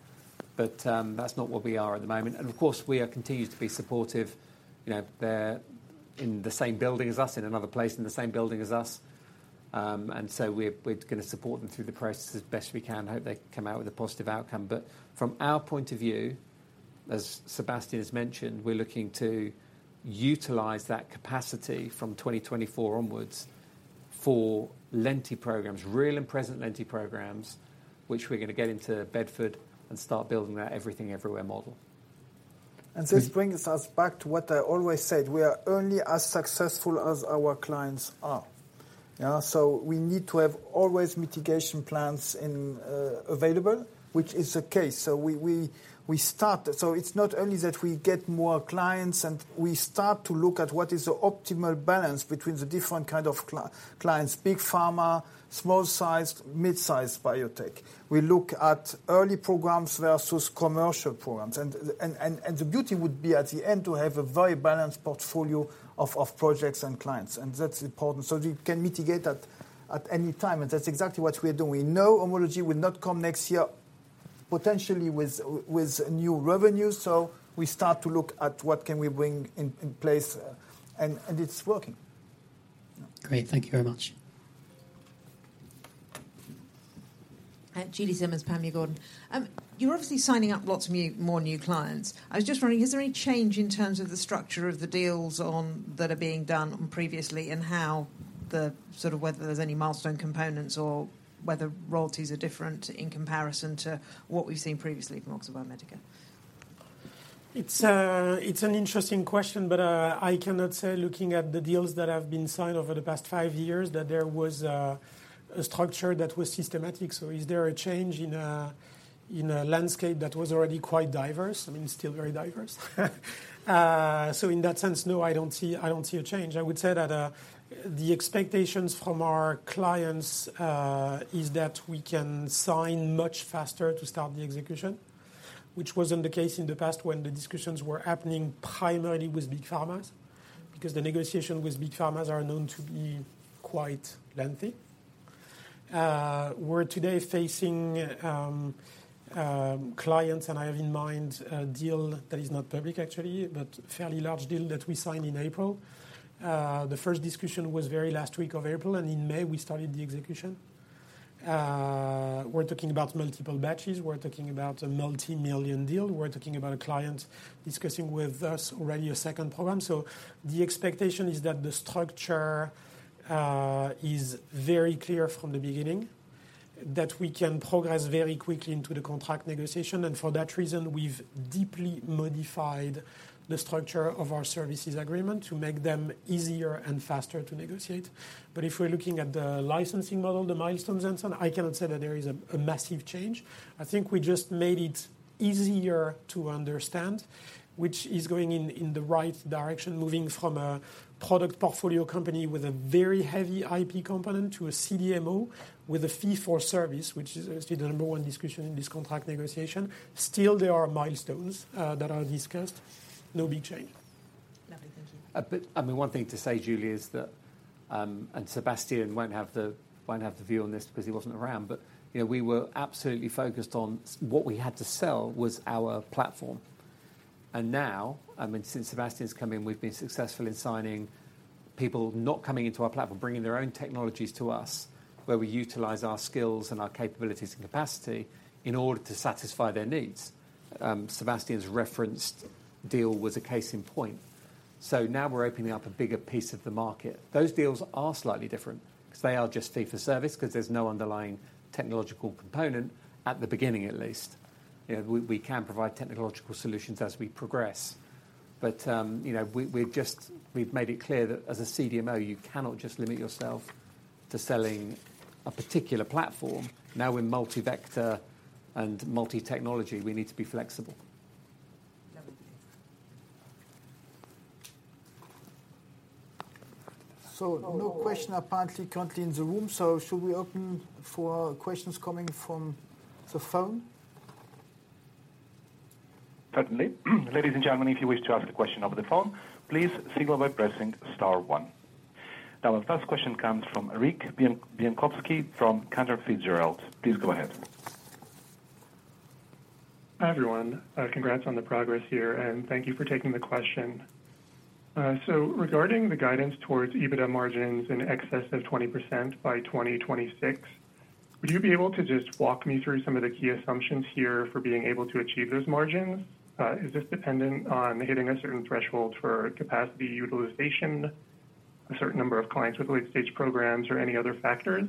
That's not where we are at the moment. Of course, we continue to be supportive. You know, they're in the same building as us, in another place, in the same building as us. We're gonna support them through the process as best we can and hope they come out with a positive outcome. From our point of view, as Sébastien has mentioned, we're looking to utilize that capacity from 2024 onwards for Lenti programs, real and present Lenti programs, which we're gonna get into Bedford and start building that everything everywhere model. This brings us back to what I always said: We are only as successful as our clients are, yeah? We need to have always mitigation plans available, which is the case. We start... It's not only that we get more clients, and we start to look at what is the optimal balance between the different kind of clients, big pharma, small-sized, mid-sized biotech. We look at early programs versus commercial programs, and the beauty would be, at the end, to have a very balanced portfolio of projects and clients, and that's important. We can mitigate at any time, and that's exactly what we are doing. We know Homology will not come next year... potentially with new revenues. So we start to look at what can we bring in, in place, and it's working. Great. Thank you very much. Julie Simmonds from Panmure Gordon. You're obviously signing up lots of new, more new clients. I was just wondering, is there any change in terms of the structure of the deals that are being done previously, and how the sort of whether there's any milestone components or whether royalties are different in comparison to what we've seen previously from Oxford Biomedica? It's, it's an interesting question, but, I cannot say, looking at the deals that have been signed over the past five years, that there was, a structure that was systematic. So is there a change in a landscape that was already quite diverse? I mean, still very diverse. So in that sense, no, I don't see, I don't see a change. I would say that, the expectations from our clients, is that we can sign much faster to start the execution, which wasn't the case in the past when the discussions were happening primarily with big pharmas. Because the negotiation with big pharmas are known to be quite lengthy. We're today facing, clients, and I have in mind a deal that is not public, actually, but fairly large deal that we signed in April. The first discussion was very last week of April, and in May, we started the execution. We're talking about multiple batches. We're talking about a multimillion deal. We're talking about a client discussing with us already a second program. So the expectation is that the structure is very clear from the beginning, that we can progress very quickly into the contract negotiation. And for that reason, we've deeply modified the structure of our services agreement to make them easier and faster to negotiate. But if we're looking at the licensing model, the milestones and so on, I cannot say that there is a massive change. I think we just made it easier to understand, which is going in the right direction, moving from a product portfolio company with a very heavy IP component to a CDMO with a fee-for-service, which is actually the number one discussion in this contract negotiation. Still, there are milestones that are discussed. No big change. Lovely. Thank you. But, I mean, one thing to say, Julie, is that and Sébastien won't have the, won't have the view on this because he wasn't around, but, you know, we were absolutely focused on what we had to sell was our platform. And now, I mean, since Sébastien's come in, we've been successful in signing people not coming into our platform, bringing their own technologies to us, where we utilize our skills and our capabilities and capacity in order to satisfy their needs. Sébastien's referenced deal was a case in point. So now we're opening up a bigger piece of the market. Those deals are slightly different because they are just fee for service, 'cause there's no underlying technological component at the beginning, at least. You know, we, we can provide technological solutions as we progress. You know, we've just made it clear that as a CDMO, you cannot just limit yourself to selling a particular platform. Now, we're multi-vector and multi-technology. We need to be flexible. Lovely. So, no question apparently currently in the room, so should we open for questions coming from the phone? Certainly. Ladies and gentlemen, if you wish to ask a question over the phone, please signal by pressing star one. Now our first question comes from Rick Bienkowski from Cantor Fitzgerald. Please go ahead. Hi, everyone. Congrats on the progress here, and thank you for taking the question. So regarding the guidance towards EBITDA margins in excess of 20% by 2026, would you be able to just walk me through some of the key assumptions here for being able to achieve those margins? Is this dependent on hitting a certain threshold for capacity utilization, a certain number of clients with late-stage programs, or any other factors?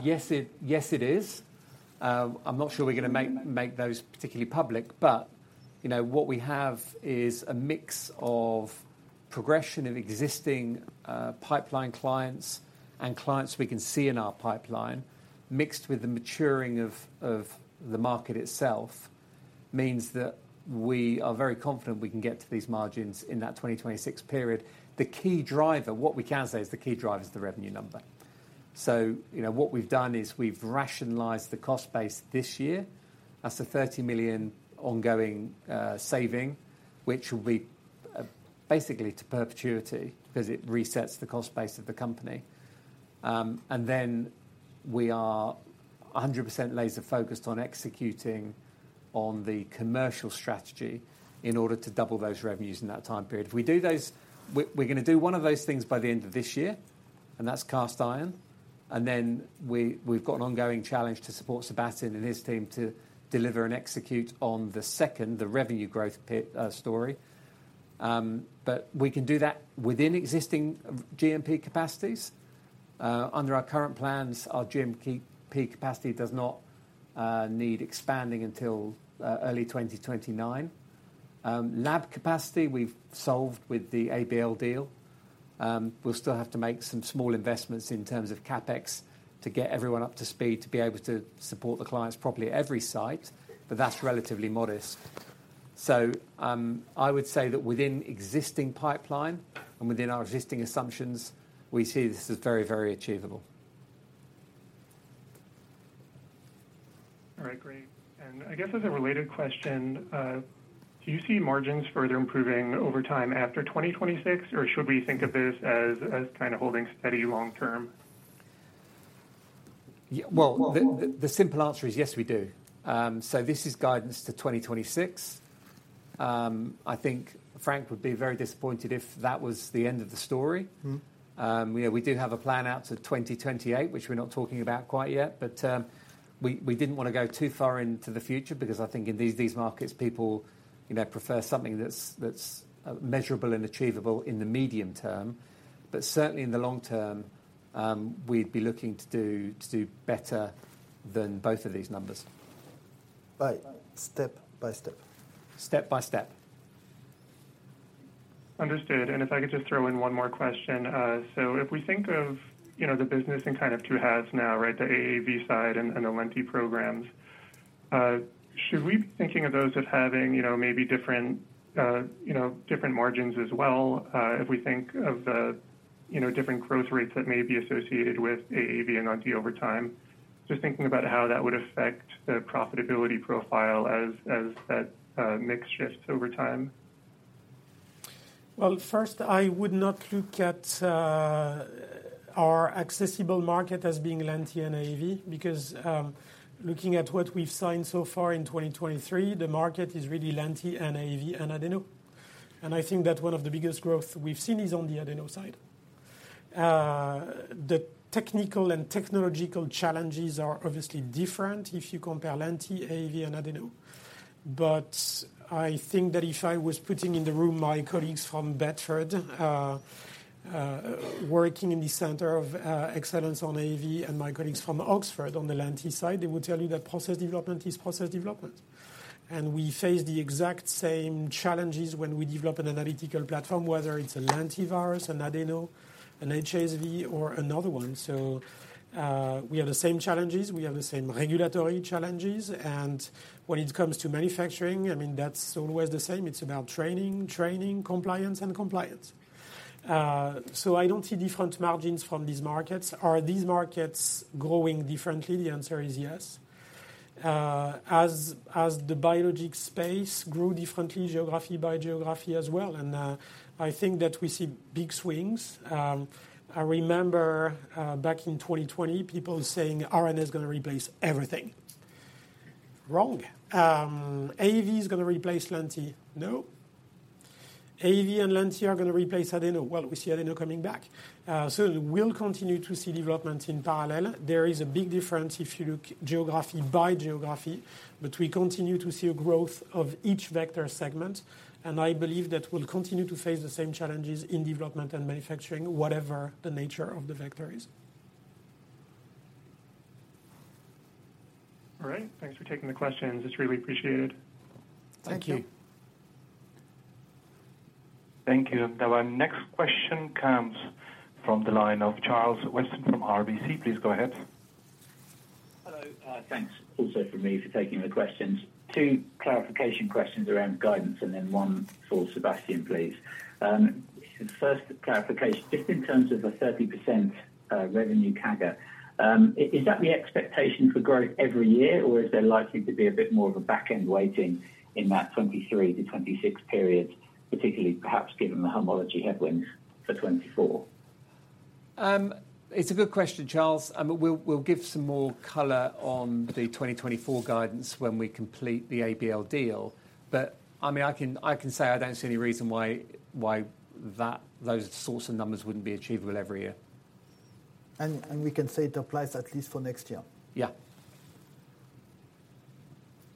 Yes, it is. I'm not sure we're gonna make those particularly public, but, you know, what we have is a mix of progression of existing pipeline clients and clients we can see in our pipeline, mixed with the maturing of the market itself, means that we are very confident we can get to these margins in that 2026 period. The key driver, what we can say, is the key driver is the revenue number. So, you know, what we've done is we've rationalized the cost base this year. That's a 30 million ongoing saving, which will be basically to perpetuity, because it resets the cost base of the company. And then we are 100% laser-focused on executing on the commercial strategy in order to double those revenues in that time period. If we do those... We're gonna do one of those things by the end of this year, and that's cast iron. We've got an ongoing challenge to support Sébastien and his team to deliver and execute on the second, the revenue growth pit, story. We can do that within existing GMP capacities. Under our current plans, our GMP peak capacity does not need expanding until early 2029. Lab capacity, we've solved with the ABL deal. We'll still have to make some small investments in terms of CapEx to get everyone up to speed, to be able to support the clients properly at every site, but that's relatively modest. I would say that within existing pipeline and within our existing assumptions, we see this is very, very achievable. All right, great. And I guess as a related question, do you see margins further improving over time after 2026, or should we think of this as, as kind of holding steady long term? Yeah. Well, the simple answer is yes, we do. So this is guidance to 2026. I think Frank would be very disappointed if that was the end of the story. Mm-hmm. You know, we do have a plan out to 2028, which we're not talking about quite yet. But we didn't want to go too far into the future because I think in these markets, people, you know, prefer something that's measurable and achievable in the medium term. But certainly in the long term, we'd be looking to do better than both of these numbers. But step by step. Step by step. Understood. And if I could just throw in one more question. So if we think of, you know, the business in kind of two halves now, right? The AAV side and the Lenti programs, should we be thinking of those as having, you know, maybe different, you know, different margins as well? If we think of the, you know, different growth rates that may be associated with AAV and Lenti over time. Just thinking about how that would affect the profitability profile as that mix shifts over time. Well, first, I would not look at our accessible market as being Lenti and AAV, because looking at what we've signed so far in 2023, the market is really Lenti and AAV, and Adeno. And I think that one of the biggest growth we've seen is on the Adeno side. The technical and technological challenges are obviously different if you compare Lenti, AAV, and Adeno. But I think that if I was putting in the room my colleagues from Bedford working in the center of excellence on AAV and my colleagues from Oxford on the Lenti side, they would tell you that process development is process development. And we face the exact same challenges when we develop an analytical platform, whether it's a Lentivirus, an Adeno, an HSV or another one. So, we have the same challenges, we have the same regulatory challenges, and when it comes to manufacturing, I mean, that's always the same. It's about training, training, compliance, and compliance. So I don't see different margins from these markets. Are these markets growing differently? The answer is yes. As the biologic space grew differently, geography by geography as well, and I think that we see big swings. I remember, back in 2020, people saying, "RNA is gonna replace everything." Wrong. AAV is gonna replace lenty. No. AAV and lenty are gonna replace Adeno. Well, we see Adeno coming back. So we'll continue to see development in parallel. There is a big difference if you look geography by geography, but we continue to see a growth of each vector segment, and I believe that we'll continue to face the same challenges in development and manufacturing, whatever the nature of the vector is. All right. Thanks for taking the questions. It's really appreciated. Thank you. Thank you. Thank you. Now, our next question comes from the line of Charles Weston from RBC. Please go ahead. Hello. Thanks also from me for taking the questions. Two clarification questions around guidance and then one for Sébastien, please. First, clarification, just in terms of a 30% revenue CAGR, is that the expectation for growth every year, or is there likely to be a bit more of a back-end weighting in that 2023-2026 period, particularly, perhaps, given the Homology headwinds for 2024? It's a good question, Charles, and we'll give some more color on the 2024 guidance when we complete the ABL deal. But, I mean, I can say I don't see any reason why that... those sorts of numbers wouldn't be achievable every year. We can say it applies at least for next year. Yeah.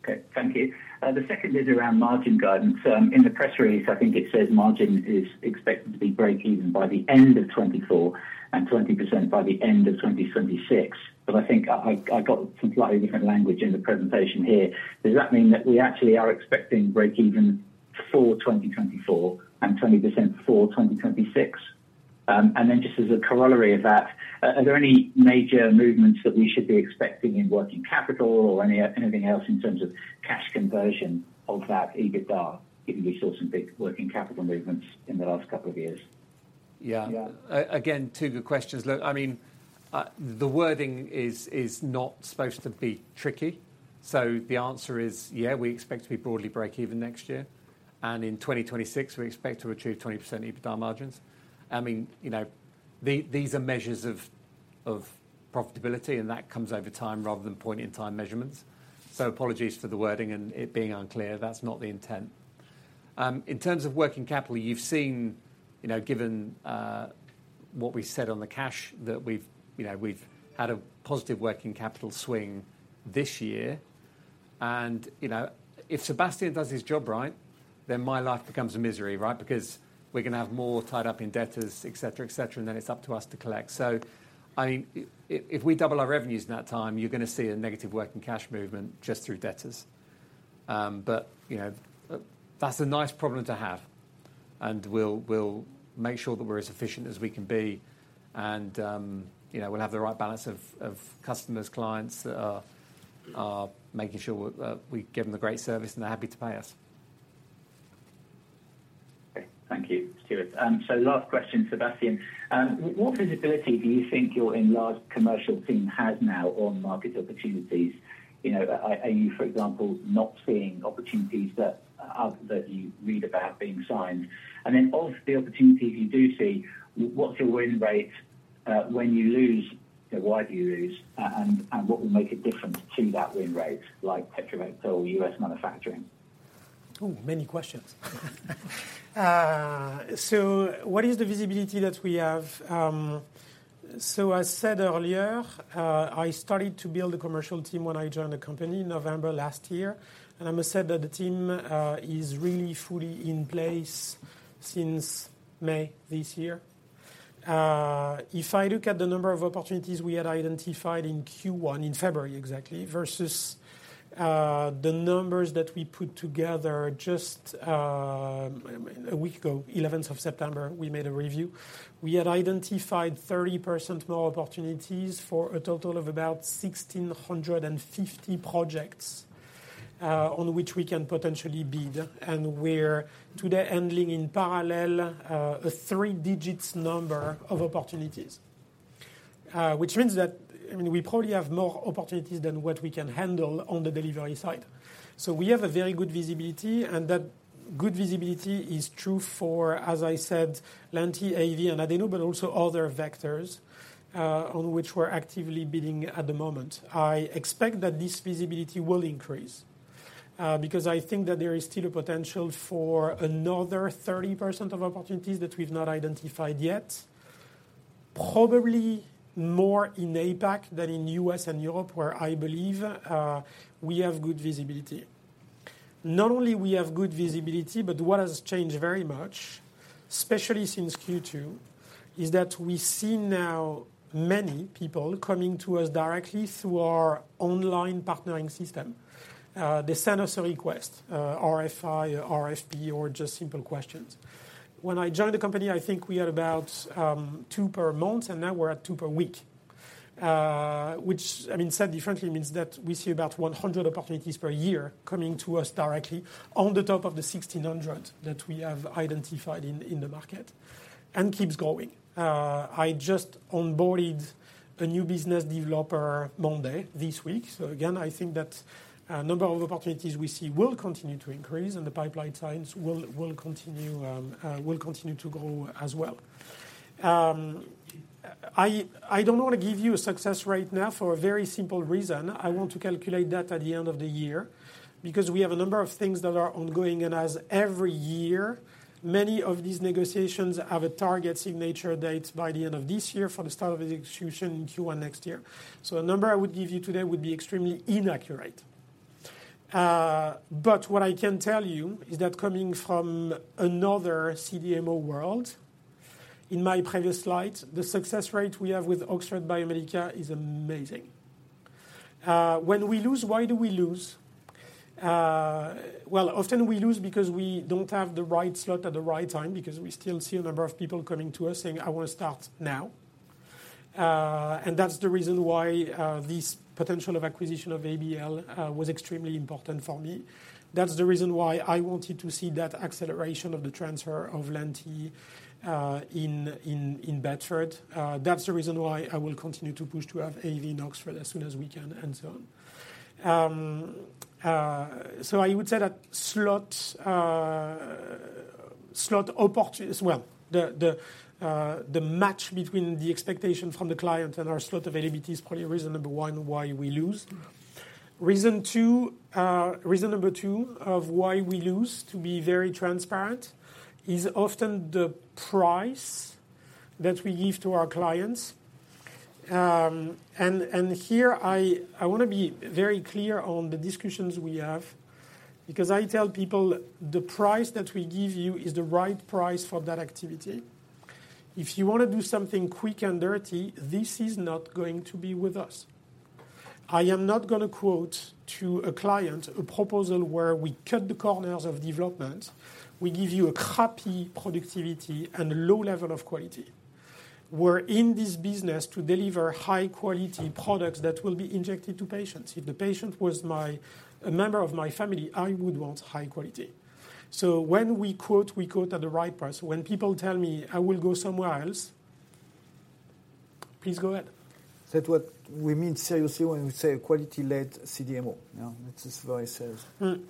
Okay. Thank you. The second is around margin guidance. In the press release, I think it says margin is expected to be breakeven by the end of 2024, and 20% by the end of 2026. I think I got some slightly different language in the presentation here. Does that mean that we actually are expecting breakeven for 2024 and 20% for 2026? Just as a corollary of that, are there any major movements that we should be expecting in working capital or anything else in terms of cash conversion of that EBITDA, given we saw some big working capital movements in the last couple of years? Yeah. Yeah. Again, two good questions. Look, I mean, the wording is, is not supposed to be tricky. So the answer is yeah, we expect to be broadly breakeven next year, and in 2026, we expect to achieve 20% EBITDA margins. I mean, you know, these are measures of, of profitability, and that comes over time rather than point-in-time measurements. So apologies for the wording and it being unclear. That's not the intent. In terms of working capital, you've seen, you know, given what we said on the cash, that we've, you know, we've had a positive working capital swing this year. And, you know, if Sébastien does his job right, then my life becomes a misery, right? Because we're gonna have more tied up in debtors, et cetera, et cetera, and then it's up to us to collect. So, I mean, if we double our revenues in that time, you're gonna see a negative working cash movement just through debtors. But, you know, that's a nice problem to have, and we'll make sure that we're as efficient as we can be, and, you know, we'll have the right balance of customers, clients, making sure we give them the great service, and they're happy to pay us. Thank you, Stuart. So last question, Sebastian. What visibility do you think your enlarged commercial team has now on market opportunities? You know, are you, for example, not seeing opportunities that other that you read about being signed? And then of the opportunities you do see, what's your win rate? When you lose, why do you lose? And what will make a difference to that win rate, like PetroVac or US manufacturing? Oh, many questions. So what is the visibility that we have? So as said earlier, I started to build a commercial team when I joined the company in November last year. And I must say that the team is really fully in place since May this year. If I look at the number of opportunities we had identified in Q1, in February exactly, versus the numbers that we put together just a week ago, eleventh of September, we made a review. We had identified 30% more opportunities for a total of about 1,650 projects on which we can potentially bid. And we're today handling in parallel a three-digit number of opportunities. Which means that, I mean, we probably have more opportunities than what we can handle on the delivery side. So we have a very good visibility, and that good visibility is true for, as I said, Lenti, AAV, and Adeno, but also other vectors, on which we're actively bidding at the moment. I expect that this visibility will increase, because I think that there is still a potential for another 30% of opportunities that we've not identified yet. Probably more in APAC than in US and Europe, where I believe we have good visibility. Not only we have good visibility, but what has changed very much, especially since Q2, is that we see now many people coming to us directly through our online partnering system. They send us a request, RFI, RFP, or just simple questions. When I joined the company, I think we had about two per month, and now we're at two per week. Which, I mean, said differently, means that we see about 100 opportunities per year coming to us directly on top of the 1,600 that we have identified in the market, and keeps growing. I just onboarded a new business developer Monday this week. I think that number of opportunities we see will continue to increase, and the pipeline science will continue to grow as well. I don't want to give you a success rate now for a very simple reason. I want to calculate that at the end of the year, because we have a number of things that are ongoing, and as every year, many of these negotiations have a target signature date by the end of this year for the start of the execution in Q1 next year. So a number I would give you today would be extremely inaccurate. But what I can tell you is that coming from another CDMO world, in my previous slide, the success rate we have with Oxford Biomedica is amazing. When we lose, why do we lose? Well, often we lose because we don't have the right slot at the right time, because we still see a number of people coming to us saying, "I want to start now." And that's the reason why this potential of acquisition of ABL was extremely important for me. That's the reason why I wanted to see that acceleration of the transfer of Lenti in Bedford. That's the reason why I will continue to push to have AAV in Oxford as soon as we can, and so on. So, I would say that the match between the expectation from the client and our slot availability is probably reason number one why we lose. Reason number two of why we lose, to be very transparent, is often the price that we give to our clients. And here, I want to be very clear on the discussions we have, because I tell people: The price that we give you is the right price for that activity. If you want to do something quick and dirty, this is not going to be with us. I am not gonna quote to a client a proposal where we cut the corners of development, we give you a crappy productivity and a low level of quality. We're in this business to deliver high-quality products that will be injected to patients. If the patient was my... a member of my family, I would want high quality. So when we quote, we quote at the right price. When people tell me, "I will go somewhere else..." Please go ahead. That's what we mean seriously when we say quality-led CDMO. Yeah, that is what I say. Mm.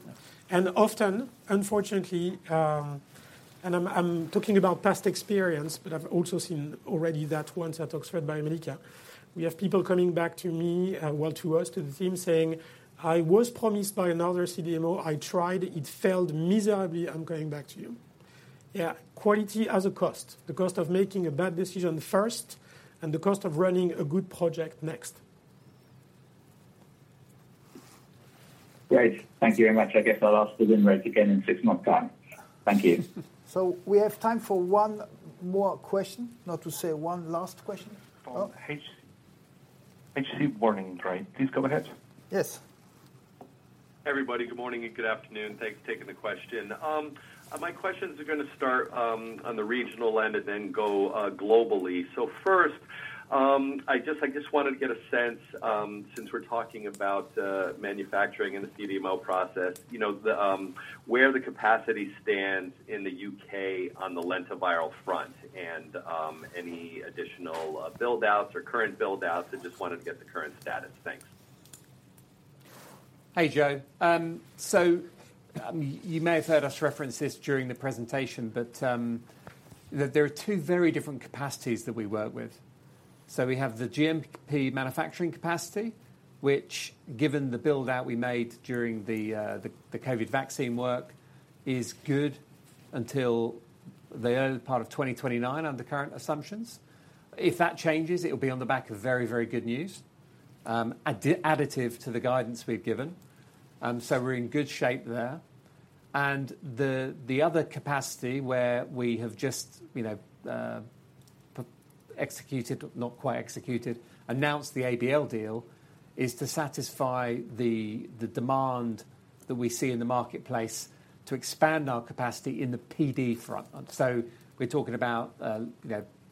Yeah. Often, unfortunately, I'm talking about past experience, but I've also seen already that once at Oxford Biomedica. We have people coming back to me, well, to us, to the team, saying, "I was promised by another CDMO. I tried, it failed miserably. I'm coming back to you." Yeah, quality has a cost, the cost of making a bad decision first, and the cost of running a good project next. Great. Thank you very much. I guess I'll ask the win rate again in six months' time. Thank you. We have time for one more question, not to say one last question. H.C. Wainwright, right? Please go ahead. Yes. Hey, everybody. Good morning and good afternoon. Thanks for taking the question. My questions are gonna start on the regional end and then go globally. So first- I just wanted to get a sense, since we're talking about manufacturing and the CDMO process, you know, where the capacity stands in the UK on the Lentiviral front and any additional build-outs or current build-outs. I just wanted to get the current status. Thanks. Hey, Joe. So, you may have heard us reference this during the presentation, but there are two very different capacities that we work with. So we have the GMP manufacturing capacity, which, given the build-out we made during the COVID vaccine work, is good until the early part of 2029, under current assumptions. If that changes, it will be on the back of very, very good news, additive to the guidance we've given, and so we're in good shape there. And the other capacity where we have just, you know, executed, not quite executed, announced the ABL deal, is to satisfy the demand that we see in the marketplace to expand our capacity in the PD front. So we're talking about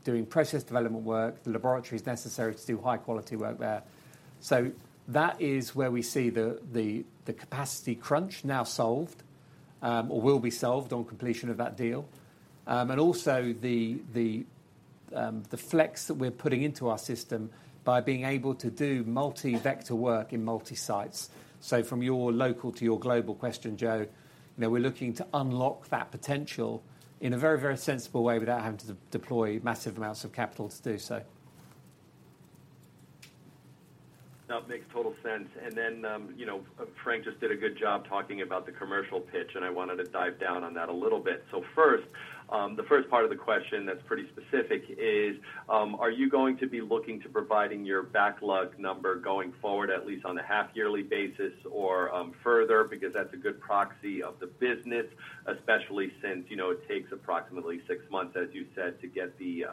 doing process development work, the laboratories necessary to do high-quality work there. That is where we see the capacity crunch now solved, or will be solved on completion of that deal. And also the flex that we're putting into our system by being able to do multi-vector work in multi-sites. So from your local to your global question, Joe, you know, we're looking to unlock that potential in a very, very sensible way without having to deploy massive amounts of capital to do so. That makes total sense. And then, you know, Frank just did a good job talking about the commercial pitch, and I wanted to dive down on that a little bit. So first, the first part of the question that's pretty specific is, are you going to be looking to providing your backlog number going forward, at least on a half-yearly basis or, further? Because that's a good proxy of the business, especially since, you know, it takes approximately six months, as you said, to get the,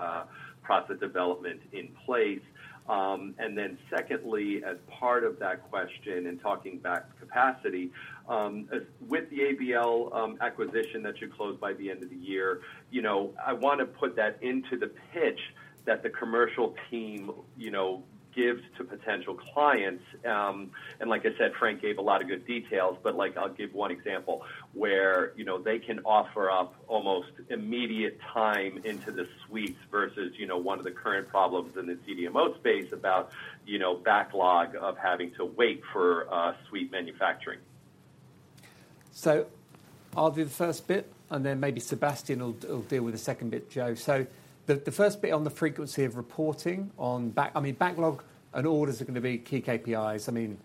process development in place. And then secondly, as part of that question, and talking back to capacity, as with the ABL acquisition that should close by the end of the year, you know, I want to put that into the pitch that the commercial team, you know, gives to potential clients. And like I said, Frank gave a lot of good details, but, like, I'll give one example where, you know, they can offer up almost immediate time into the suites versus, you know, one of the current problems in the CDMO space about, you know, backlog of having to wait for suite manufacturing. So I'll do the first bit, and then maybe Sébastien will deal with the second bit, Joe. So the first bit on the frequency of reporting on backlog—I mean, backlog and orders are going to be key KPIs. I mean,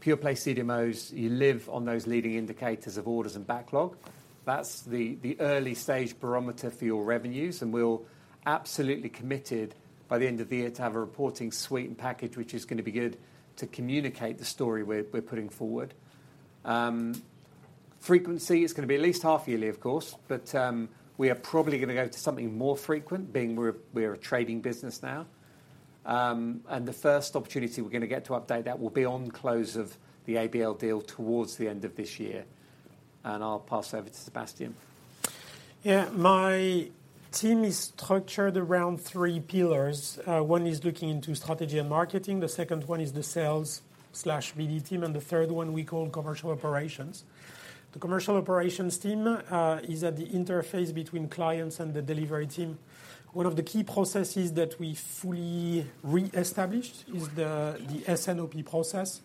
pure play CDMOs, you live on those leading indicators of orders and backlog. That's the early-stage barometer for your revenues, and we're all absolutely committed by the end of the year to have a reporting suite and package, which is going to be good to communicate the story we're putting forward. Frequency, it's going to be at least half-yearly, of course, but we are probably going to go to something more frequent, being we're a trading business now. The first opportunity we're going to get to update that will be on close of the ABL deal towards the end of this year. I'll pass over to Sébastien. Yeah. My team is structured around three pillars. One is looking into strategy and marketing, the second one is the sales/BD team, and the third one we call commercial operations. The commercial operations team is at the interface between clients and the delivery team. One of the key processes that we fully reestablished is the S&OP process,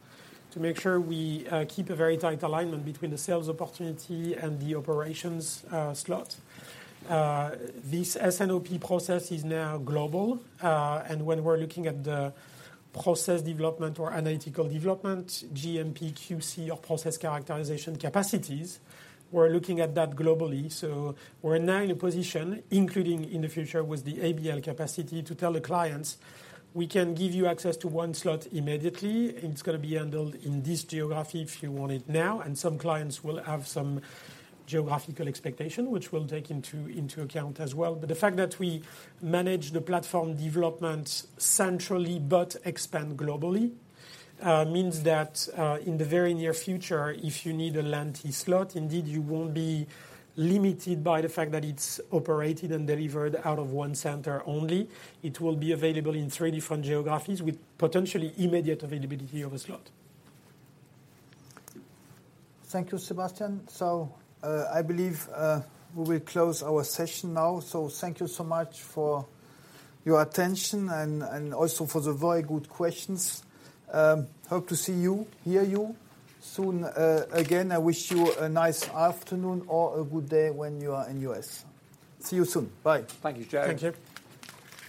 to make sure we keep a very tight alignment between the sales opportunity and the operations slot. This S&OP process is now global, and when we're looking at the process development or analytical development, GMP, QC, or process characterization capacities, we're looking at that globally. We're now in a position, including in the future with the ABL capacity, to tell the clients, "We can give you access to one slot immediately. It's going to be handled in this geography if you want it now." And some clients will have some geographical expectation, which we'll take into account as well. But the fact that we manage the platform development centrally, but expand globally, means that, in the very near future, if you need a Lentiviral slot, indeed, you won't be limited by the fact that it's operated and delivered out of one center only. It will be available in three different geographies with potentially immediate availability of a slot. Thank you, Sébastien. I believe we will close our session now. Thank you so much for your attention and also for the very good questions. Hope to see you, hear you soon. Again, I wish you a nice afternoon or a good day when you are in the U.S. See you soon. Bye. Thank you, Joe. Thank you.